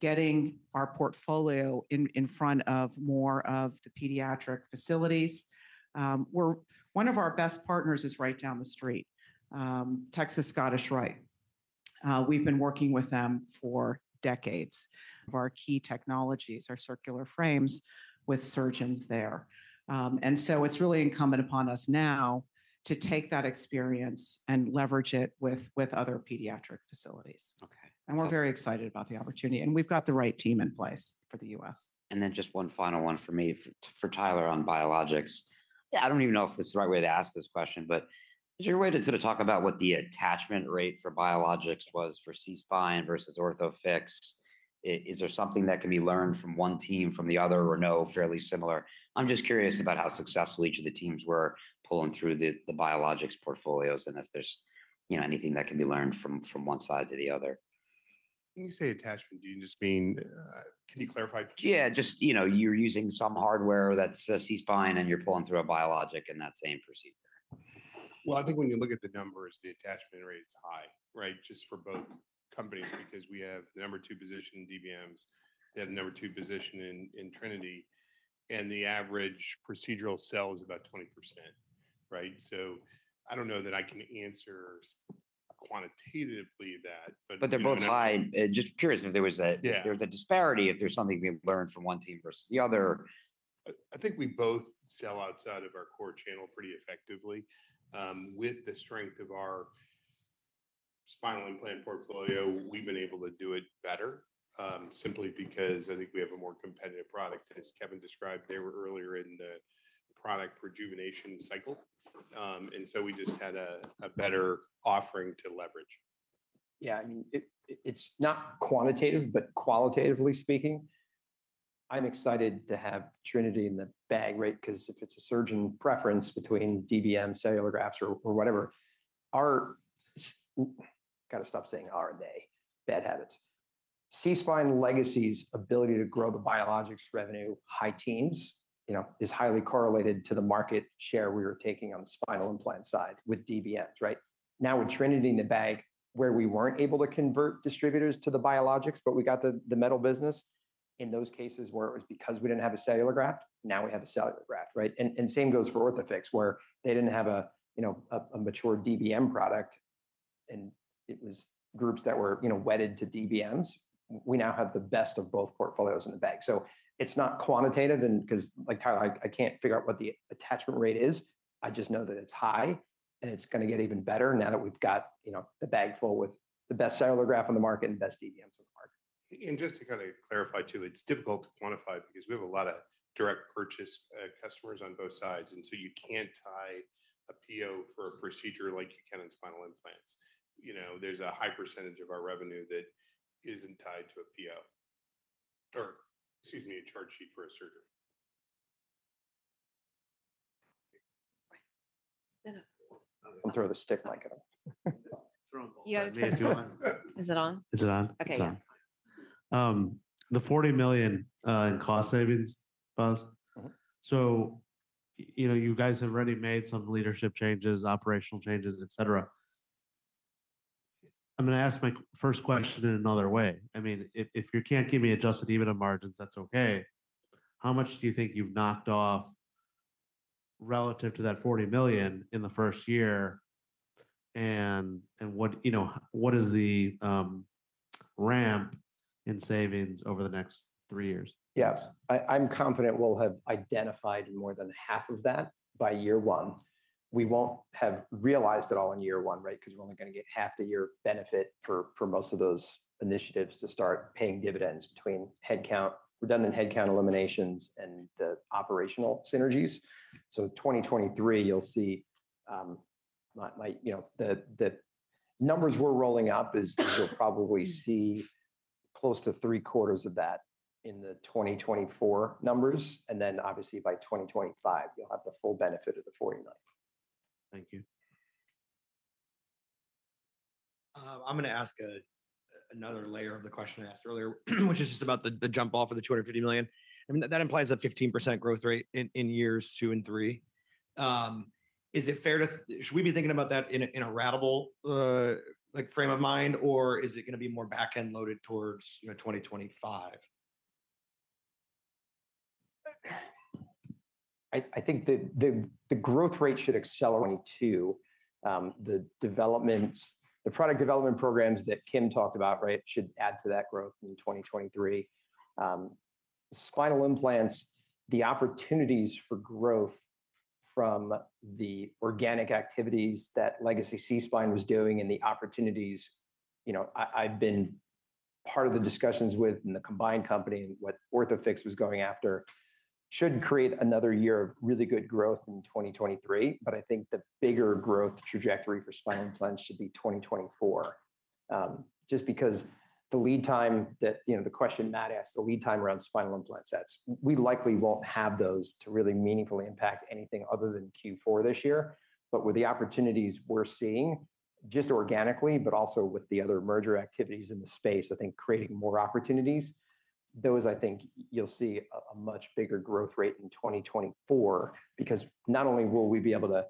getting our portfolio in front of more of the pediatric facilities. one of our best partners is right down the street, Texas Scottish Rite. we've been working with them for decades of our key technologies, our circular frames with surgeons there. it's really incumbent upon us now to take that experience and leverage it with other pediatric facilities. Okay. We're very excited about the opportunity, and we've got the right team in place for the U.S. Just one final one for me for Tyler on biologics. Yeah. I don't even know if this is the right way to ask this question, but is there a way to sort of talk about what the attachment rate for biologics was for SeaSpine versus Orthofix? Is there something that can be learned from one team from the other or no, fairly similar? I'm just curious about how successful each of the teams were pulling through the biologics portfolios and if there's, you know, anything that can be learned from one side to the other. When you say attachment, do you just mean, can you clarify? Yeah. Just, you know, you're using some hardware that says SeaSpine, and you're pulling through a biologic in that same procedure. Well, I think when you look at the numbers, the attachment rate is high, right? Just for both companies, because we have the number two position in DBMs. They have number two position in Trinity. The average procedural sell is about 20%, right? I don't know that I can answer quantitatively that, but. They're both high. Just curious if there was. Yeah if there was a disparity, if there's something we've learned from one team versus the other. I think we both sell outside of our core channel pretty effectively. With the strength of our spinal implant portfolio, we've been able to do it better, simply because I think we have a more competitive product. As Kevin described, they were earlier in the product rejuvenation cycle. We just had a better offering to leverage. Yeah. I mean, it's not quantitative, but qualitatively speaking, I'm excited to have Trinity in the bag, right? 'Cause if it's a surgeon preference between DBM, cellular grafts or whatever. they. Bad habits. SeaSpine legacy's ability to grow the biologics revenue high teens, you know, is highly correlated to the market share we were taking on the spinal implant side with DBMs, right? Now, with Trinity in the bag, where we weren't able to convert distributors to the biologics, but we got the metal business, in those cases where it was because we didn't have a cellular graft, now we have a cellular graft, right? Same goes for Orthofix, where they didn't have a, you know, a mature DBM product, and it was groups that were, you know, wedded to DBMs. We now have the best of both portfolios in the bag. It's not quantitative and because, like Tyler, I can't figure out what the attachment rate is. I just know that it's high, and it's gonna get even better now that we've got, you know, the bag full with the best cellular graft on the market and best DBMs on the market. Just to kinda clarify too, it's difficult to quantify because we have a lot of direct purchase customers on both sides, and so you can't tie a PO for a procedure like you can in spinal implants. You know, there's a high % of our revenue that isn't tied to a PO. Excuse me, a charge sheet for a surgery. I'll throw the stick mic up. Throw them both. Is it on? Is it on? Okay, yeah. It's on. The $40 million in cost savings, both. You know, you guys have already made some leadership changes, operational changes, et cetera. I'm gonna ask my first question in another way. I mean, if you can't give me adjusted EBITDA margins, that's okay. How much do you think you've knocked off relative to that $40 million in the first year, and what, you know, what is the ramp in savings over the next three years? Yes. I'm confident we'll have identified more than half of that by year one. We won't have realized it all in year one, right? 'Cause we're only gonna get half the year benefit for most of those initiatives to start paying dividends between headcount, redundant headcount eliminations, and the operational synergies. 2023, you'll see, my, you know, the numbers we're rolling up is, you'll probably see Close to three quarters of that in the 2024 numbers. Obviously by 2025, you'll have the full benefit of the $40 million. Thank you. I'm gonna ask a, another layer of the question I asked earlier, which is just about the jump off of the $250 million. I mean, that implies a 15% growth rate in years two and three. Is it fair Should we be thinking about that in a, in a ratable, like, frame of mind, or is it gonna be more back-end loaded towards, you know, 2025? I think the growth rate should accelerate to the product development programs that Kim talked about, right? Should add to that growth in 2023. Spinal implants, the opportunities for growth from the organic activities that Legacy SeaSpine was doing and the opportunities, you know, I've been part of the discussions with in the combined company and what Orthofix was going after should create another year of really good growth in 2023. I think the bigger growth trajectory for spinal implants should be 2024, just because the lead time that, you know, the question Matt asked, the lead time around spinal implant sets, we likely won't have those to really meaningfully impact anything other than Q4 this year. With the opportunities we're seeing, just organically, but also with the other merger activities in the space, I think creating more opportunities, those, I think you'll see a much bigger growth rate in 2024 because not only will we be able to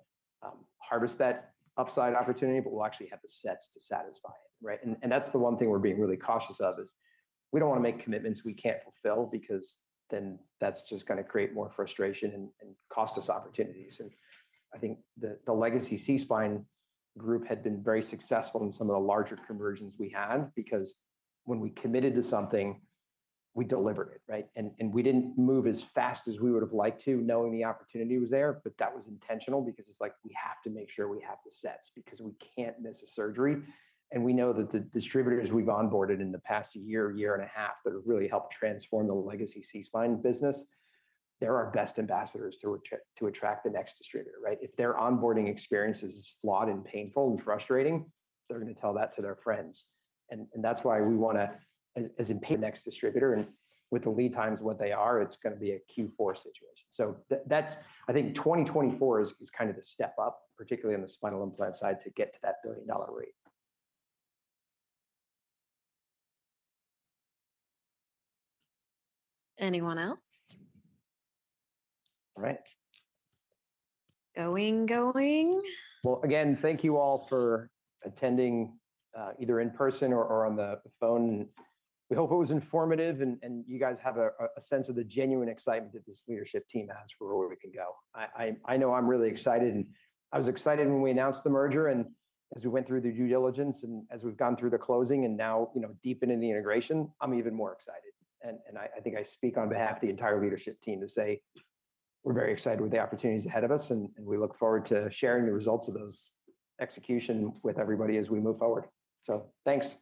harvest that upside opportunity, but we'll actually have the sets to satisfy it, right? That's the one thing we're being really cautious of is we don't wanna make commitments we can't fulfill because then that's just gonna create more frustration and cost us opportunities. I think the Legacy SeaSpine group had been very successful in some of the larger conversions we had because when we committed to something, we delivered it, right? We didn't move as fast as we would've liked to, knowing the opportunity was there, but that was intentional because it's like we have to make sure we have the sets because we can't miss a surgery. We know that the distributors we've onboarded in the past year and a half, that have really helped transform the Legacy SeaSpine business, they're our best ambassadors to attract the next distributor, right? If their onboarding experience is flawed and painful and frustrating, they're gonna tell that to their friends. That's why we wanna, as in next distributor and with the lead times what they are, it's gonna be a Q4 situation. That's I think 2024 is kind of the step up, particularly on the spinal implant side, to get to that billion-dollar rate. Anyone else? All right. Going, going. Well, again, thank you all for attending, either in person or on the phone. We hope it was informative and you guys have a sense of the genuine excitement that this leadership team has for where we can go. I know I'm really excited and I was excited when we announced the merger and as we went through the due diligence and as we've gone through the closing and now, you know, deepen in the integration, I'm even more excited. I think I speak on behalf of the entire leadership team to say we're very excited with the opportunities ahead of us, and we look forward to sharing the results of those execution with everybody as we move forward. Thanks.